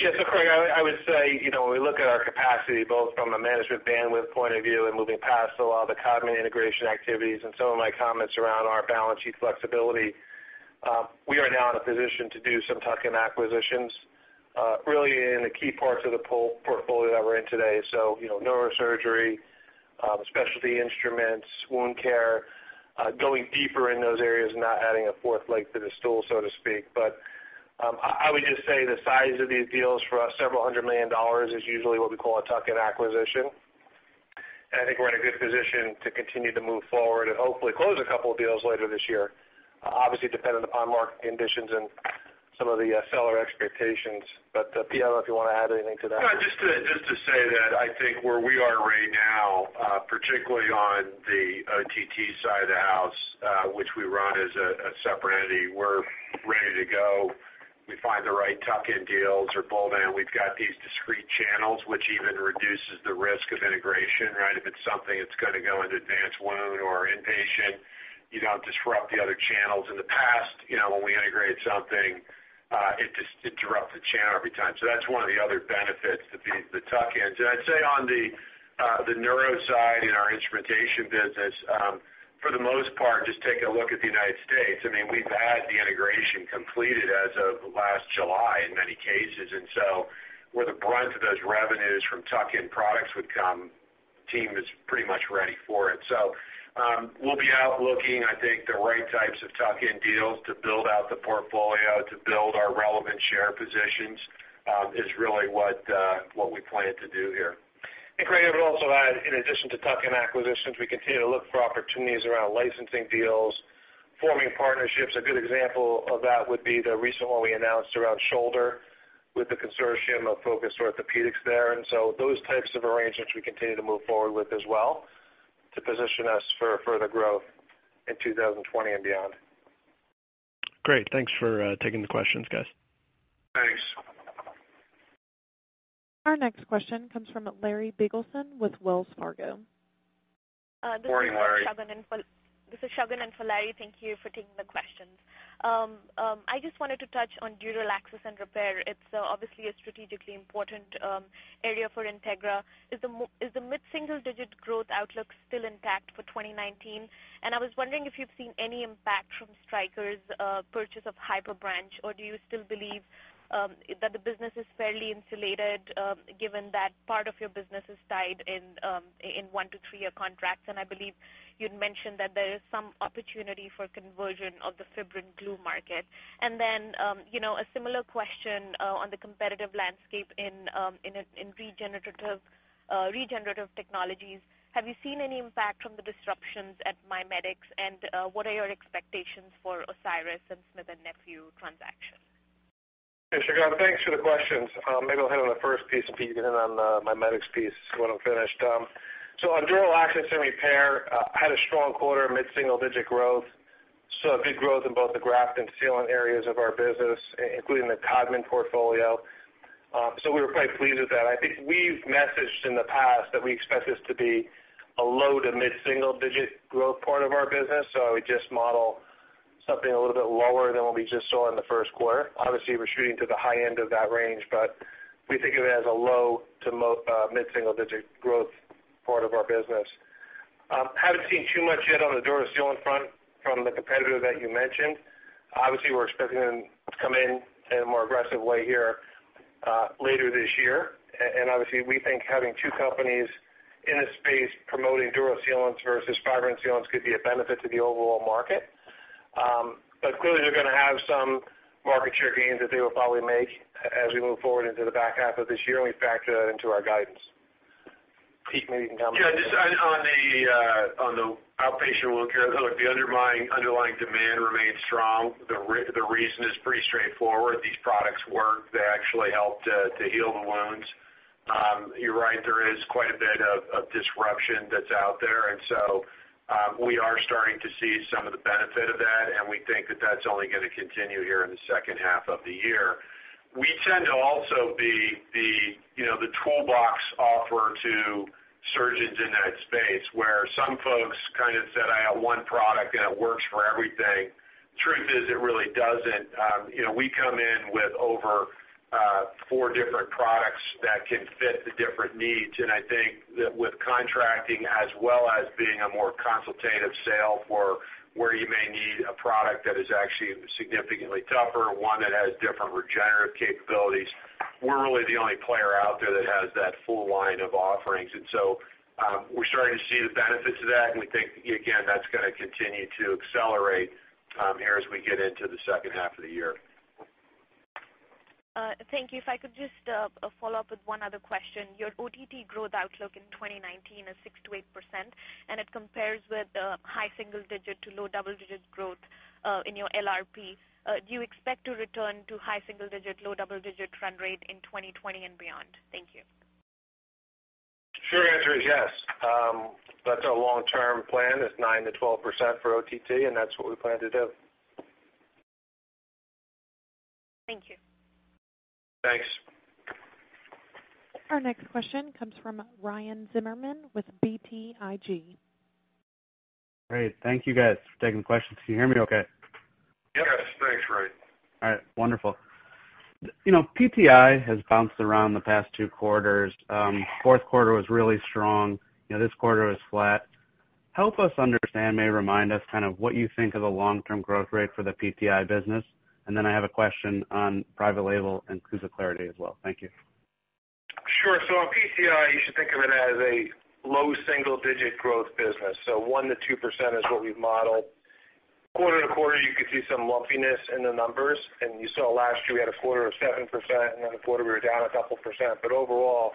Yeah. So Craig, I would say when we look at our capacity, both from a management bandwidth point of view and moving past a lot of the Codman integration activities and some of my comments around our balance sheet flexibility, we are now in a position to do some tuck-in acquisitions really in the key parts of the portfolio that we're in today. So neurosurgery, specialty instruments, wound care, going deeper in those areas and not adding a fourth leg to the stool, so to speak. But I would just say the size of these deals for us, several hundred million dollars, is usually what we call a tuck-in acquisition. And I think we're in a good position to continue to move forward and hopefully close a couple of deals later this year, obviously dependent upon market conditions and some of the seller expectations. But PM, if you want to add anything to that. Just to say that I think where we are right now, particularly on the OTT side of the house, which we run as a separate entity, we're ready to go. We find the right tuck-in deals or bolt-ons. We've got these discrete channels, which even reduces the risk of integration, right? If it's something that's going to go into advanced wound or inpatient, you don't disrupt the other channels. In the past, when we integrate something, it just interrupts the channel every time. So that's one of the other benefits of the tuck-ins. And I'd say on the neuro side in our instrumentation business, for the most part, just take a look at the United States. I mean, we've had the integration completed as of last July in many cases. And so where the brunt of those revenues from tuck-in products would come, the team is pretty much ready for it. So we'll be out looking, I think, the right types of tuck-in deals to build out the portfolio, to build our relevant share positions is really what we plan to do here. And Craig, I would also add, in addition to tuck-in acquisitions, we continue to look for opportunities around licensing deals, forming partnerships. A good example of that would be the recent one we announced around shoulder with the consortium of focused orthopedics there. And so those types of arrangements we continue to move forward with as well to position us for further growth in 2020 and beyond. Great. Thanks for taking the questions, guys. Thanks. Our next question comes from Larry Biegelsen with Wells Fargo. This is Sheldon and Fulleri. Thank you for taking the questions. I just wanted to touch on dural access and repair. It's obviously a strategically important area for Integra. Is the mid-single-digit growth outlook still intact for 2019? And I was wondering if you've seen any impact from Stryker's purchase of HyperBranch, or do you still believe that the business is fairly insulated given that part of your business is tied in one- to three-year contracts? And I believe you'd mentioned that there is some opportunity for conversion of the fibrin glue market. And then a similar question on the competitive landscape in regenerative technologies. Have you seen any impact from the disruptions at MyMedics? And what are your expectations for Osiris and Smith & Nephew transactions? Thanks for the questions. Maybe I'll hit on the first piece before you get in on the MyMedics piece when I'm finished. So on dural access and repair, had a strong quarter, mid-single-digit growth. So big growth in both the graft and sealant areas of our business, including the Codman portfolio. So we were quite pleased with that. I think we've messaged in the past that we expect this to be a low to mid-single-digit growth part of our business. So we just model something a little bit lower than what we just saw in the first quarter. Obviously, we're shooting to the high end of that range, but we think of it as a low to mid-single-digit growth part of our business. Haven't seen too much yet on the dural sealant front from the competitor that you mentioned. Obviously, we're expecting them to come in in a more aggressive way here later this year. And obviously, we think having two companies in this space promoting dural sealants versus fibrin sealants could be a benefit to the overall market. But clearly, they're going to have some market share gains that they will probably make as we move forward into the back half of this year. And we factor that into our guidance. Pete maybe can comment. Yeah. Just on the outpatient wound care, the underlying demand remains strong. The reason is pretty straightforward. These products work. They actually help to heal the wounds. You're right. There is quite a bit of disruption that's out there. And so we are starting to see some of the benefit of that. And we think that that's only going to continue here in the second half of the year. We tend to also be the toolbox offer to surgeons in that space where some folks kind of said, "I have one product, and it works for everything." The truth is it really doesn't. We come in with over four different products that can fit the different needs. And I think that with contracting as well as being a more consultative sale for where you may need a product that is actually significantly tougher, one that has different regenerative capabilities, we're really the only player out there that has that full line of offerings. And so we're starting to see the benefits of that. And we think, again, that's going to continue to accelerate here as we get into the second half of the year. Thank you. If I could just follow up with one other question. Your OTT growth outlook in 2019 is 6%-8%. And it compares with high single-digit to low double-digit growth in your LRP. Do you expect to return to high single-digit, low double-digit run rate in 2020 and beyond? Thank you. The short answer is yes. That's our long-term plan is 9%-12% for OTT, and that's what we plan to do. Thank you. Thanks. Our next question comes from Ryan Zimmerman with BTIG. Great. Thank you, guys, for taking the questions. Can you hear me okay? Yes Thank you All right. Wonderful. PTI has bounced around the past two quarters. Fourth quarter was really strong. This quarter was flat. Help us understand, maybe remind us kind of what you think of the long-term growth rate for the PTI business. And then I have a question on private label and CUSA Clarity as well. Thank you. Sure. So on PTI, you should think of it as a low single-digit growth business. So 1%-2% is what we've modeled. Quarter to quarter, you could see some lumpiness in the numbers. And you saw last year we had a quarter of 7%, and then the quarter we were down a couple%. But overall,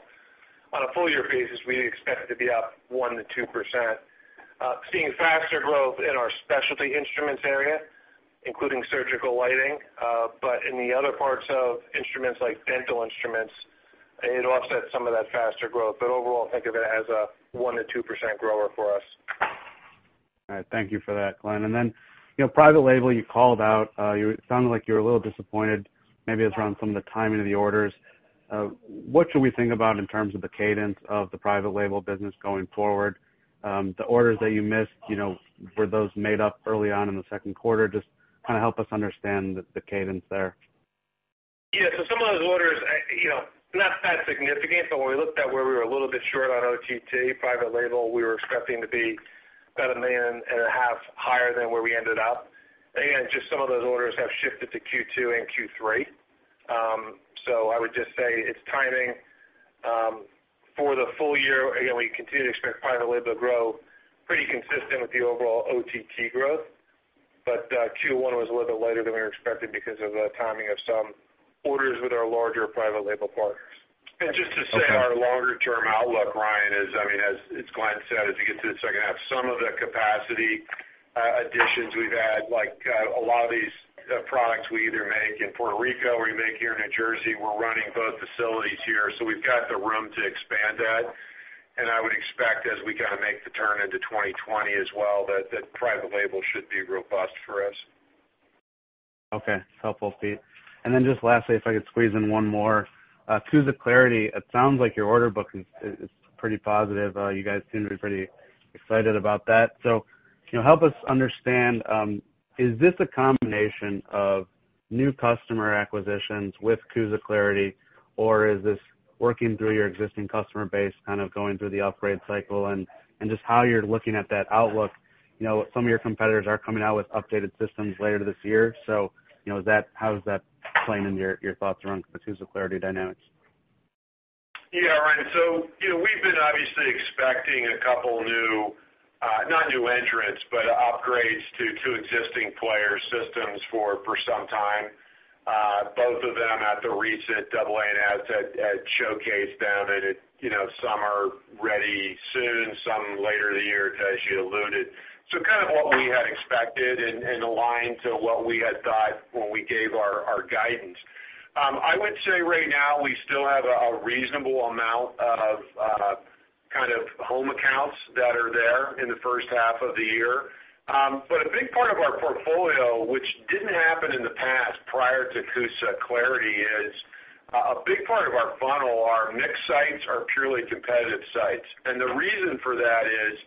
on a full year basis, we expect it to be up 1%-2%. Seeing faster growth in our specialty instruments area, including surgical lighting. But in the other parts of instruments like dental instruments, it offsets some of that faster growth. But overall, think of it as a 1%-2% grower for us. All right. Thank you for that, Glenn. And then private label, you called out. It sounded like you were a little disappointed, maybe it's around some of the timing of the orders. What should we think about in terms of the cadence of the private label business going forward? The orders that you missed, were those made up early on in the second quarter? Just kind of help us understand the cadence there. Yeah. So some of those orders, not that significant. But when we looked at where we were a little bit short on OTT private label, we were expecting to be about $1.5 million higher than where we ended up. And again, just some of those orders have shifted to Q2 and Q3. So I would just say it's timing for the full year. Again, we continue to expect private label to grow pretty consistent with the overall OTT growth. But Q1 was a little bit later than we were expecting because of the timing of some orders with our larger private label partners. Just to say our longer-term outlook, Ryan, is, I mean, as Glenn said, as you get to the second half, some of the capacity additions we've had, like a lot of these products we either make in Puerto Rico or we make here in New Jersey, we're running both facilities here. So we've got the room to expand that. I would expect as we kind of make the turn into 2020 as well that private label should be robust for us. Okay. Helpful, Pete. And then just lastly, if I could squeeze in one more. CUSA Clarity, it sounds like your order book is pretty positive. You guys seem to be pretty excited about that. So help us understand, is this a combination of new customer acquisitions with CUSA Clarity, or is this working through your existing customer base, kind of going through the upgrade cycle? And just how you're looking at that outlook, some of your competitors are coming out with updated systems later this year. So how does that play into your thoughts around the CUSA Clarity dynamics? Yeah. Right. So we've been obviously expecting a couple new, not new entrants, but upgrades to existing player systems for some time. Both of them at the recent AANS had showcased them. And some are ready soon, some later in the year, as you alluded. So kind of what we had expected and aligned to what we had thought when we gave our guidance. I would say right now we still have a reasonable amount of kind of home accounts that are there in the first half of the year. But a big part of our portfolio, which didn't happen in the past prior to CUSA Clarity, is a big part of our funnel. Our mix sites are purely competitive sites. And the reason for that is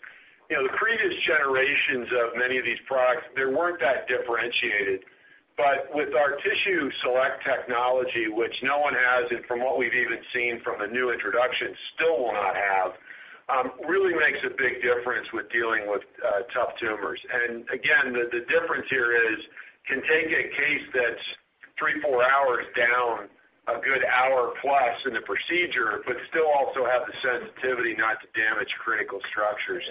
the previous generations of many of these products; they weren't that differentiated. But with our TissueSelect technology, which no one has, and from what we've even seen from the new introduction, still will not have, really makes a big difference with dealing with tough tumors. And again, the difference here is can take a case that's three, four hours down a good hour plus in the procedure, but still also have the sensitivity not to damage critical structures.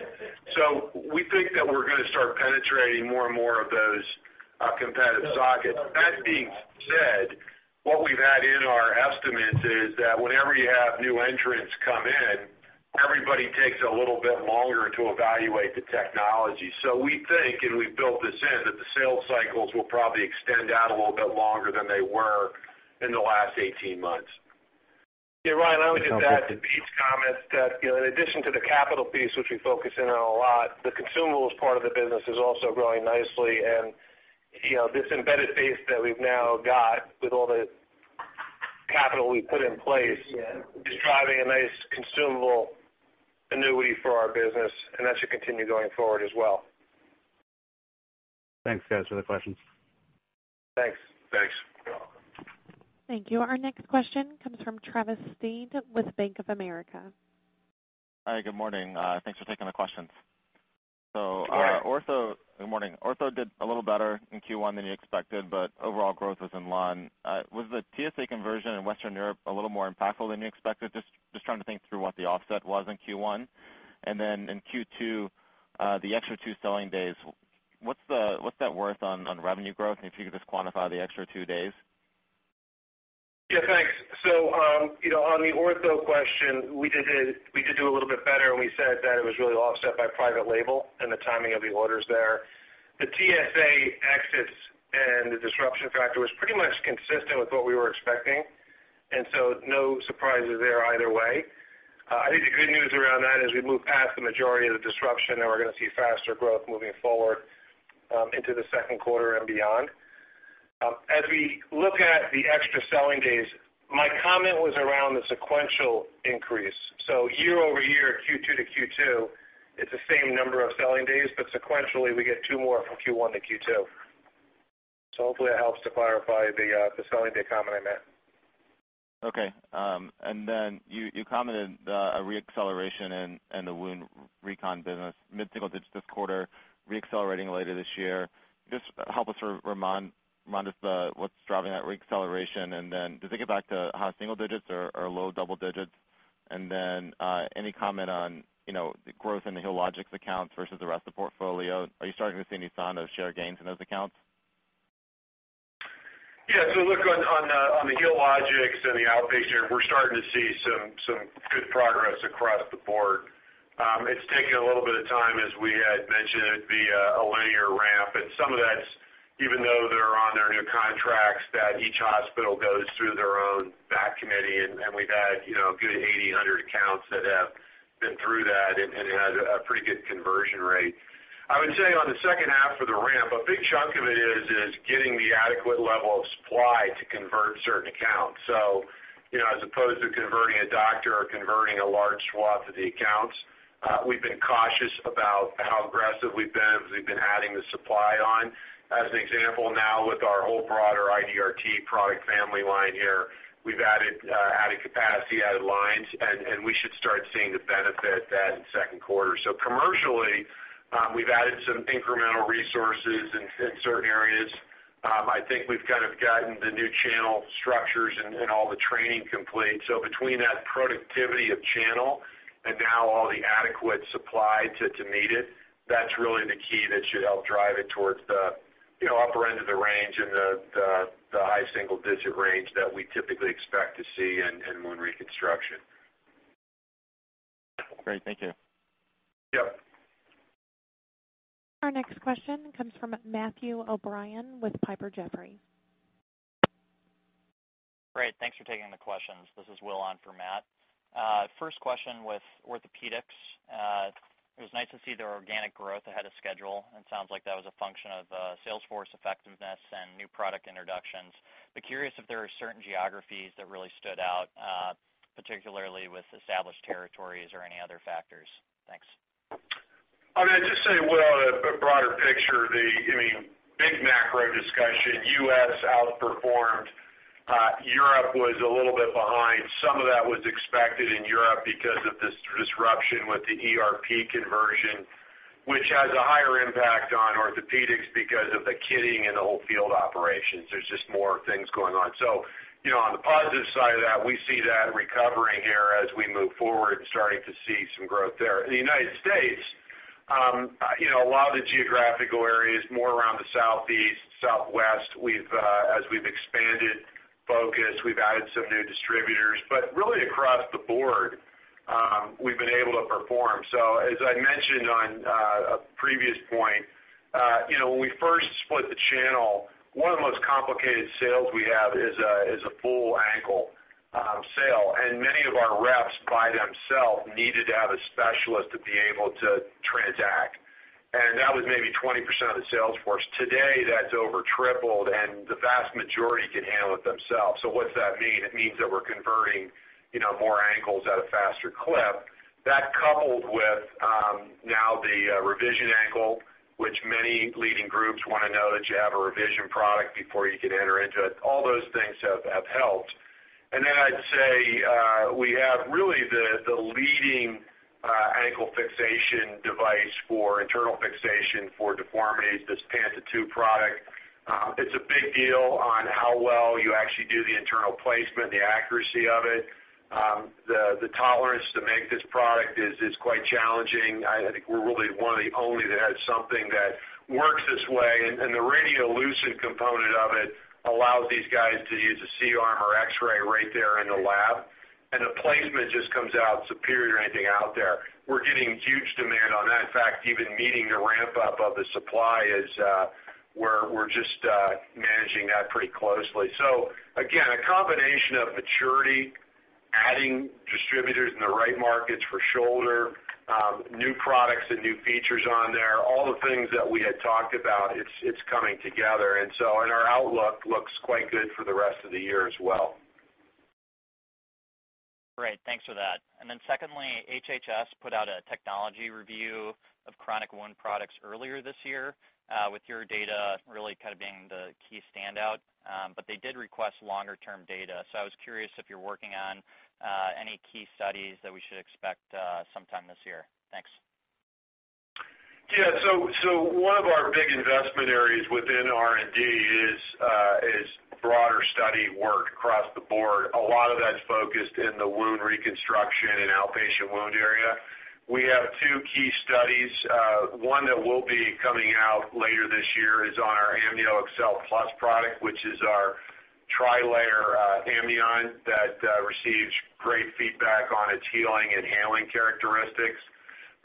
So we think that we're going to start penetrating more and more of those competitive sockets. That being said, what we've had in our estimates is that whenever you have new entrants come in, everybody takes a little bit longer to evaluate the technology. So we think, and we've built this in, that the sales cycles will probably extend out a little bit longer than they were in the last 18 months. Yeah. Ryan, I would just add to Pete's comments that in addition to the capital piece, which we focus in on a lot, the consumable part of the business is also growing nicely. And that embedded base that we've now got with all the capital we've put in place is driving a nice consumable annuity for our business. And that should continue going forward as well. Thanks, guys, for the questions. Thanks. Thanks. Thank you. Our next question comes from Travis Steed with Bank of America. Hi. Good morning. Thanks for taking the questions. So Ortho. Good morning. Ortho did a little better in Q1 than you expected, but overall growth was in line. Was the TSA conversion in Western Europe a little more impactful than you expected? Just trying to think through what the offset was in Q1. And then in Q2, the extra two selling days, what's that worth on revenue growth? And if you could just quantify the extra two days? Yeah. Thanks. So on the Ortho question, we did do a little bit better. And we said that it was really offset by private label and the timing of the orders there. The TSA exits and the disruption factor was pretty much consistent with what we were expecting. And so no surprises there either way. I think the good news around that is we moved past the majority of the disruption, and we're going to see faster growth moving forward into the second quarter and beyond. As we look at the extra selling days, my comment was around the sequential increase. So year over year, Q2 to Q2, it's the same number of selling days, but sequentially, we get two more from Q1 to Q2. So hopefully, that helps to clarify the selling day comment I made. Okay. And then you commented a reacceleration in the wound recon business, mid-single digit this quarter, reaccelerating later this year. Just help us remind us what's driving that reacceleration. And then does it get back to high single digits or low double digits? And then any comment on the growth in the HealLogix accounts versus the rest of the portfolio? Are you starting to see any sign of share gains in those accounts? Yeah. So look, on the Healogics and the outpatient, we're starting to see some good progress across the board. It's taken a little bit of time, as we had mentioned, via a linear ramp. And some of that's, even though they're on their new contracts, that each hospital goes through their own back committee. And we've had a good 8,800 accounts that have been through that and had a pretty good conversion rate. I would say on the second half for the ramp, a big chunk of it is getting the adequate level of supply to convert certain accounts. So as opposed to converting a doctor or converting a large swath of the accounts, we've been cautious about how aggressive we've been as we've been adding the supply on. As an example, now with our whole broader IDRT product family line here, we've added capacity, added lines. And we should start seeing the benefit of that in the second quarter. So commercially, we've added some incremental resources in certain areas. I think we've kind of gotten the new channel structures and all the training complete. So between that productivity of channel and now all the adequate supply to meet it, that's really the key that should help drive it towards the upper end of the range and the high single digit range that we typically expect to see in wound reconstruction. Great. Thank you. Yep. Our next question comes from Matthew O'Brien with Piper Jaffray. Great. Thanks for taking the questions. This is Will on for Matt. First question with orthopedics. It was nice to see their organic growth ahead of schedule, and it sounds like that was a function of sales force effectiveness and new product introductions, but curious if there are certain geographies that really stood out, particularly with established territories or any other factors. Thanks. I mean, I'd just say, Will, a broader picture. I mean, big macro discussion. U.S. outperformed. Europe was a little bit behind. Some of that was expected in Europe because of this disruption with the ERP conversion, which has a higher impact on orthopedics because of the kitting and the whole field operations. There's just more things going on. On the positive side of that, we see that recovering here as we move forward and starting to see some growth there. In the United States, a lot of the geographical areas, more around the Southeast, Southwest, as we've expanded focus, we've added some new distributors. But really, across the board, we've been able to perform. As I mentioned on a previous point, when we first split the channel, one of the most complicated sales we have is a full ankle sale. Many of our reps by themselves needed to have a specialist to be able to transact. And that was maybe 20% of the sales force. Today, that's over tripled. And the vast majority can handle it themselves. So what's that mean? It means that we're converting more ankles at a faster clip. That coupled with now the revision ankle, which many leading groups want to know that you have a revision product before you can enter into it. All those things have helped. And then I'd say we have really the leading ankle fixation device for internal fixation for deformities, this Panta 2 product. It's a big deal on how well you actually do the internal placement, the accuracy of it. The tolerance to make this product is quite challenging. I think we're really one of the only that has something that works this way. And the radiolucent component of it allows these guys to use a C-arm or X-ray right there in the lab. And the placement just comes out superior to anything out there. We're getting huge demand on that. In fact, even meeting the ramp-up of the supply is where we're just managing that pretty closely. So again, a combination of maturity, adding distributors in the right markets for shoulder, new products and new features on there, all the things that we had talked about, it's coming together. And our outlook looks quite good for the rest of the year as well. Great. Thanks for that. And then secondly, HHS put out a technology review of chronic wound products earlier this year with your data really kind of being the key standout. But they did request longer-term data. So I was curious if you're working on any key studies that we should expect sometime this year. Thanks. Yeah. So one of our big investment areas within R&D is broader study work across the board. A lot of that's focused in the wound reconstruction and outpatient wound area. We have two key studies. One that will be coming out later this year is on our AmnioExcel Plus product, which is our tri-layer amnion that receives great feedback on its healing and handling characteristics.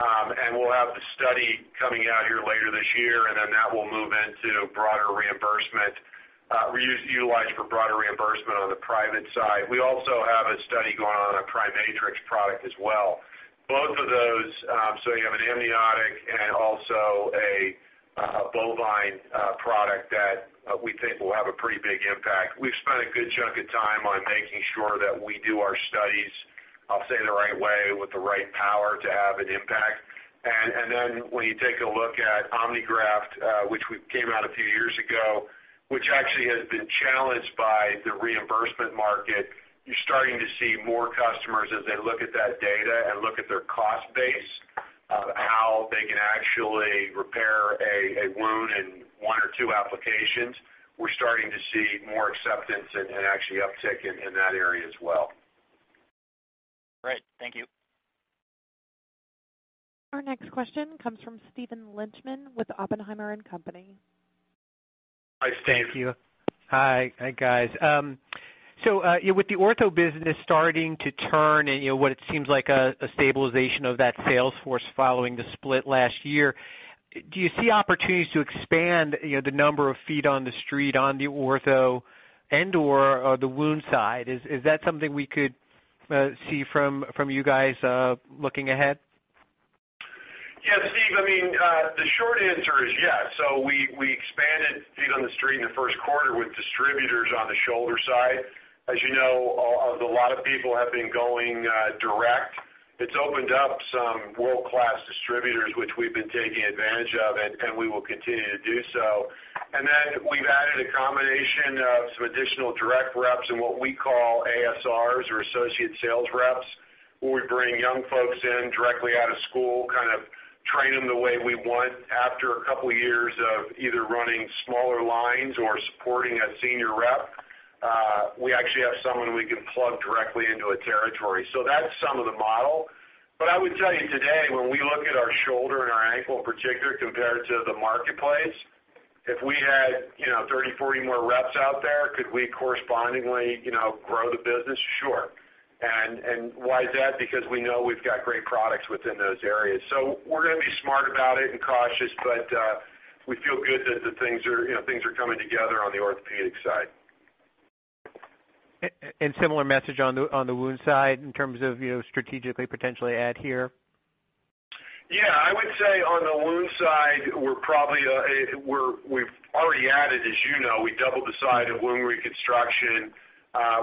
And we'll have the study coming out here later this year. And then that will move into broader reimbursement, utilized for broader reimbursement on the private side. We also have a study going on on a PriMatrix product as well. Both of those, so you have an amniotic and also a bovine product that we think will have a pretty big impact. We've spent a good chunk of time on making sure that we do our studies, I'll say the right way, with the right power to have an impact. And then when you take a look at OmniGraft, which came out a few years ago, which actually has been challenged by the reimbursement market, you're starting to see more customers as they look at that data and look at their cost base, how they can actually repair a wound in one or two applications. We're starting to see more acceptance and actually uptick in that area as well. Great. Thank you. Our next question comes from Steven Lichtman with Oppenheimer & Co. Hi, Steven. Thank you. Hi. Hi, guys. So with the Ortho business starting to turn and what it seems like a stabilization of that sales force following the split last year, do you see opportunities to expand the number of feet on the street on the Ortho and/or the wound side? Is that something we could see from you guys looking ahead? Yeah. Steve, I mean, the short answer is yes. So we expanded feet on the street in the first quarter with distributors on the shoulder side. As you know, a lot of people have been going direct. It's opened up some world-class distributors, which we've been taking advantage of, and we will continue to do so. And then we've added a combination of some additional direct reps and what we call ASRs or associate sales reps, where we bring young folks in directly out of school, kind of train them the way we want. After a couple of years of either running smaller lines or supporting a senior rep, we actually have someone we can plug directly into a territory. So that's some of the model. But I would tell you today, when we look at our shoulder and our ankle in particular compared to the marketplace, if we had 30, 40 more reps out there, could we correspondingly grow the business? Sure. And why is that? Because we know we've got great products within those areas. So we're going to be smart about it and cautious. But we feel good that things are coming together on the orthopedic side. And similar message on the wound side in terms of strategically potentially add here? Yeah. I would say on the wound side, we've already added, as you know, we doubled the size of wound reconstruction.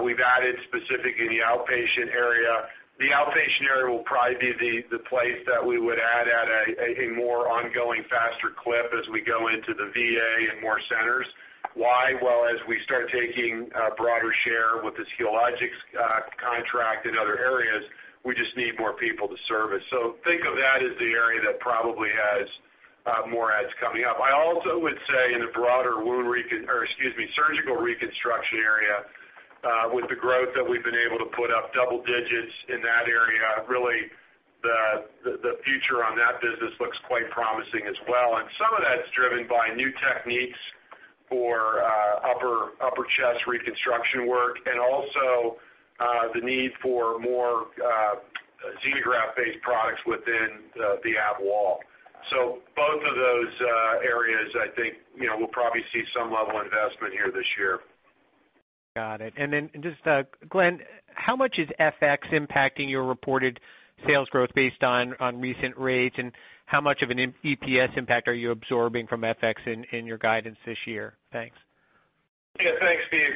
We've added specific in the outpatient area. The outpatient area will probably be the place that we would add at a more ongoing, faster clip as we go into the VA and more centers. Why? Well, as we start taking a broader share with this Healogics contract in other areas, we just need more people to service it. So think of that as the area that probably has more adds coming up. I also would say in the broader wound or, excuse me, surgical reconstruction area, with the growth that we've been able to put up double digits in that area, really the future on that business looks quite promising as well. And some of that's driven by new techniques for upper chest reconstruction work and also the need for more xenograft-based products within the ab wall. So both of those areas, I think we'll probably see some level of investment here this year. Got it. And then just Glenn, how much is FX impacting your reported sales growth based on recent rates? And how much of an EPS impact are you absorbing from FX in your guidance this year? Thanks. Yeah. Thanks, Steve.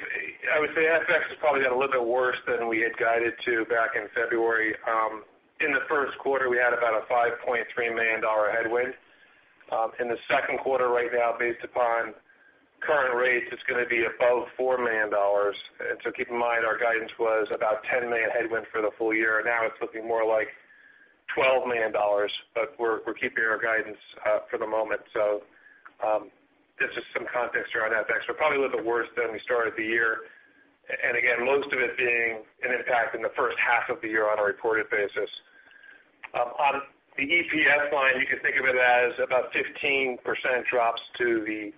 I would say FX has probably got a little bit worse than we had guided to back in February. In the first quarter, we had about a $5.3 million headwind. In the second quarter right now, based upon current rates, it's going to be above $4 million. And so keep in mind, our guidance was about $10 million headwind for the full year. Now it's looking more like $12 million. But we're keeping our guidance for the moment. So this is some context around FX. We're probably a little bit worse than we started the year. And again, most of it being an impact in the first half of the year on a reported basis. On the EPS line, you can think of it as about 15% drops to the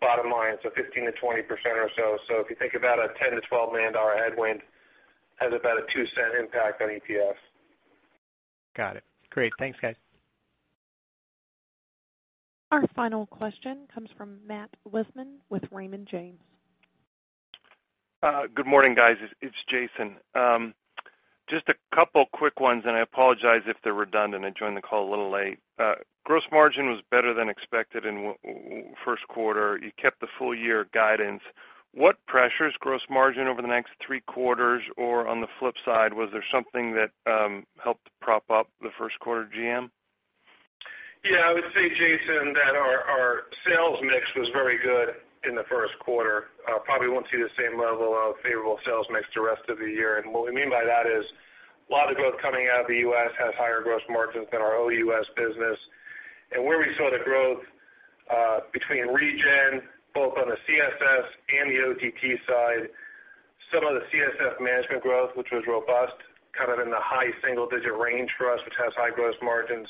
bottom line, so 15%-20% or so. If you think about a $10-$12 million headwind, it has about a $0.02 impact on EPS. Got it. Great. Thanks, guys. Our final question comes from Jayson Bedford with Raymond James. Good morning, guys. It's Jayson. Just a couple of quick ones, and I apologize if they're redundant. I joined the call a little late. Gross margin was better than expected in the first quarter. You kept the full-year guidance. What pressures gross margin over the next three quarters? Or on the flip side, was there something that helped prop up the first quarter GM? Yeah. I would say, Jason, that our sales mix was very good in the first quarter. Probably won't see the same level of favorable sales mix the rest of the year. And what we mean by that is a lot of the growth coming out of the U.S. has higher gross margins than our OUS business. And where we saw the growth between Regen, both on the CSS and the OTT side, some of the CSS management growth, which was robust, kind of in the high single-digit range for us, which has high gross margins.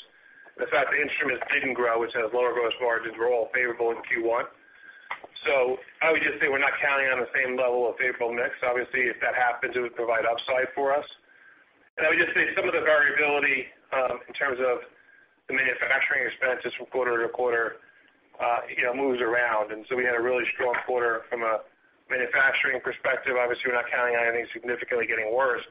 And the fact that instruments didn't grow, which has lower gross margins, were all favorable in Q1. So I would just say we're not counting on the same level of favorable mix. Obviously, if that happens, it would provide upside for us. I would just say some of the variability in terms of the manufacturing expenses from quarter to quarter moves around. And so we had a really strong quarter from a manufacturing perspective. Obviously, we're not counting on anything significantly getting worse.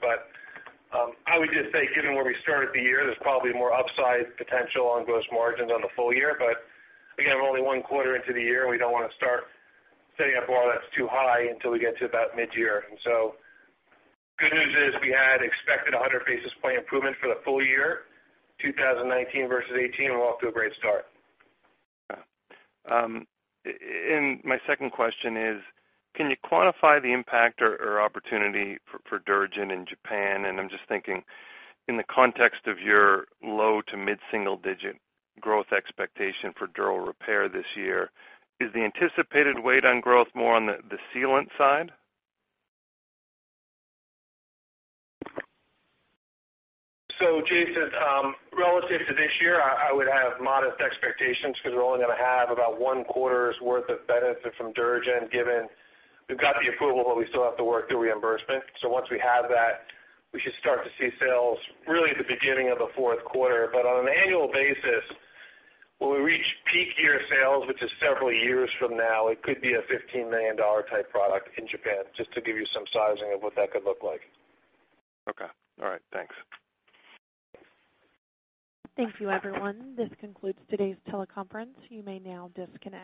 But I would just say, given where we started the year, there's probably more upside potential on gross margins on the full year. But again, we're only one quarter into the year, and we don't want to start setting up a bar that's too high until we get to about mid-year. And so the good news is we had expected 100 basis points improvement for the full year, 2019 versus 2018. We're off to a great start. Okay. And my second question is, can you quantify the impact or opportunity for DuraGen in Japan? And I'm just thinking in the context of your low to mid-single-digit growth expectation for dural repair this year, is the anticipated weight on growth more on the sealant side? So Jayson, relative to this year, I would have modest expectations because we're only going to have about one quarter's worth of benefit from DuraGen given we've got the approval, but we still have to work through reimbursement. So once we have that, we should start to see sales really at the beginning of the fourth quarter. But on an annual basis, when we reach peak year sales, which is several years from now, it could be a $15 million type product in Japan, just to give you some sizing of what that could look like. Okay. All right. Thanks. Thank you, everyone. This concludes today's teleconference. You may now disconnect.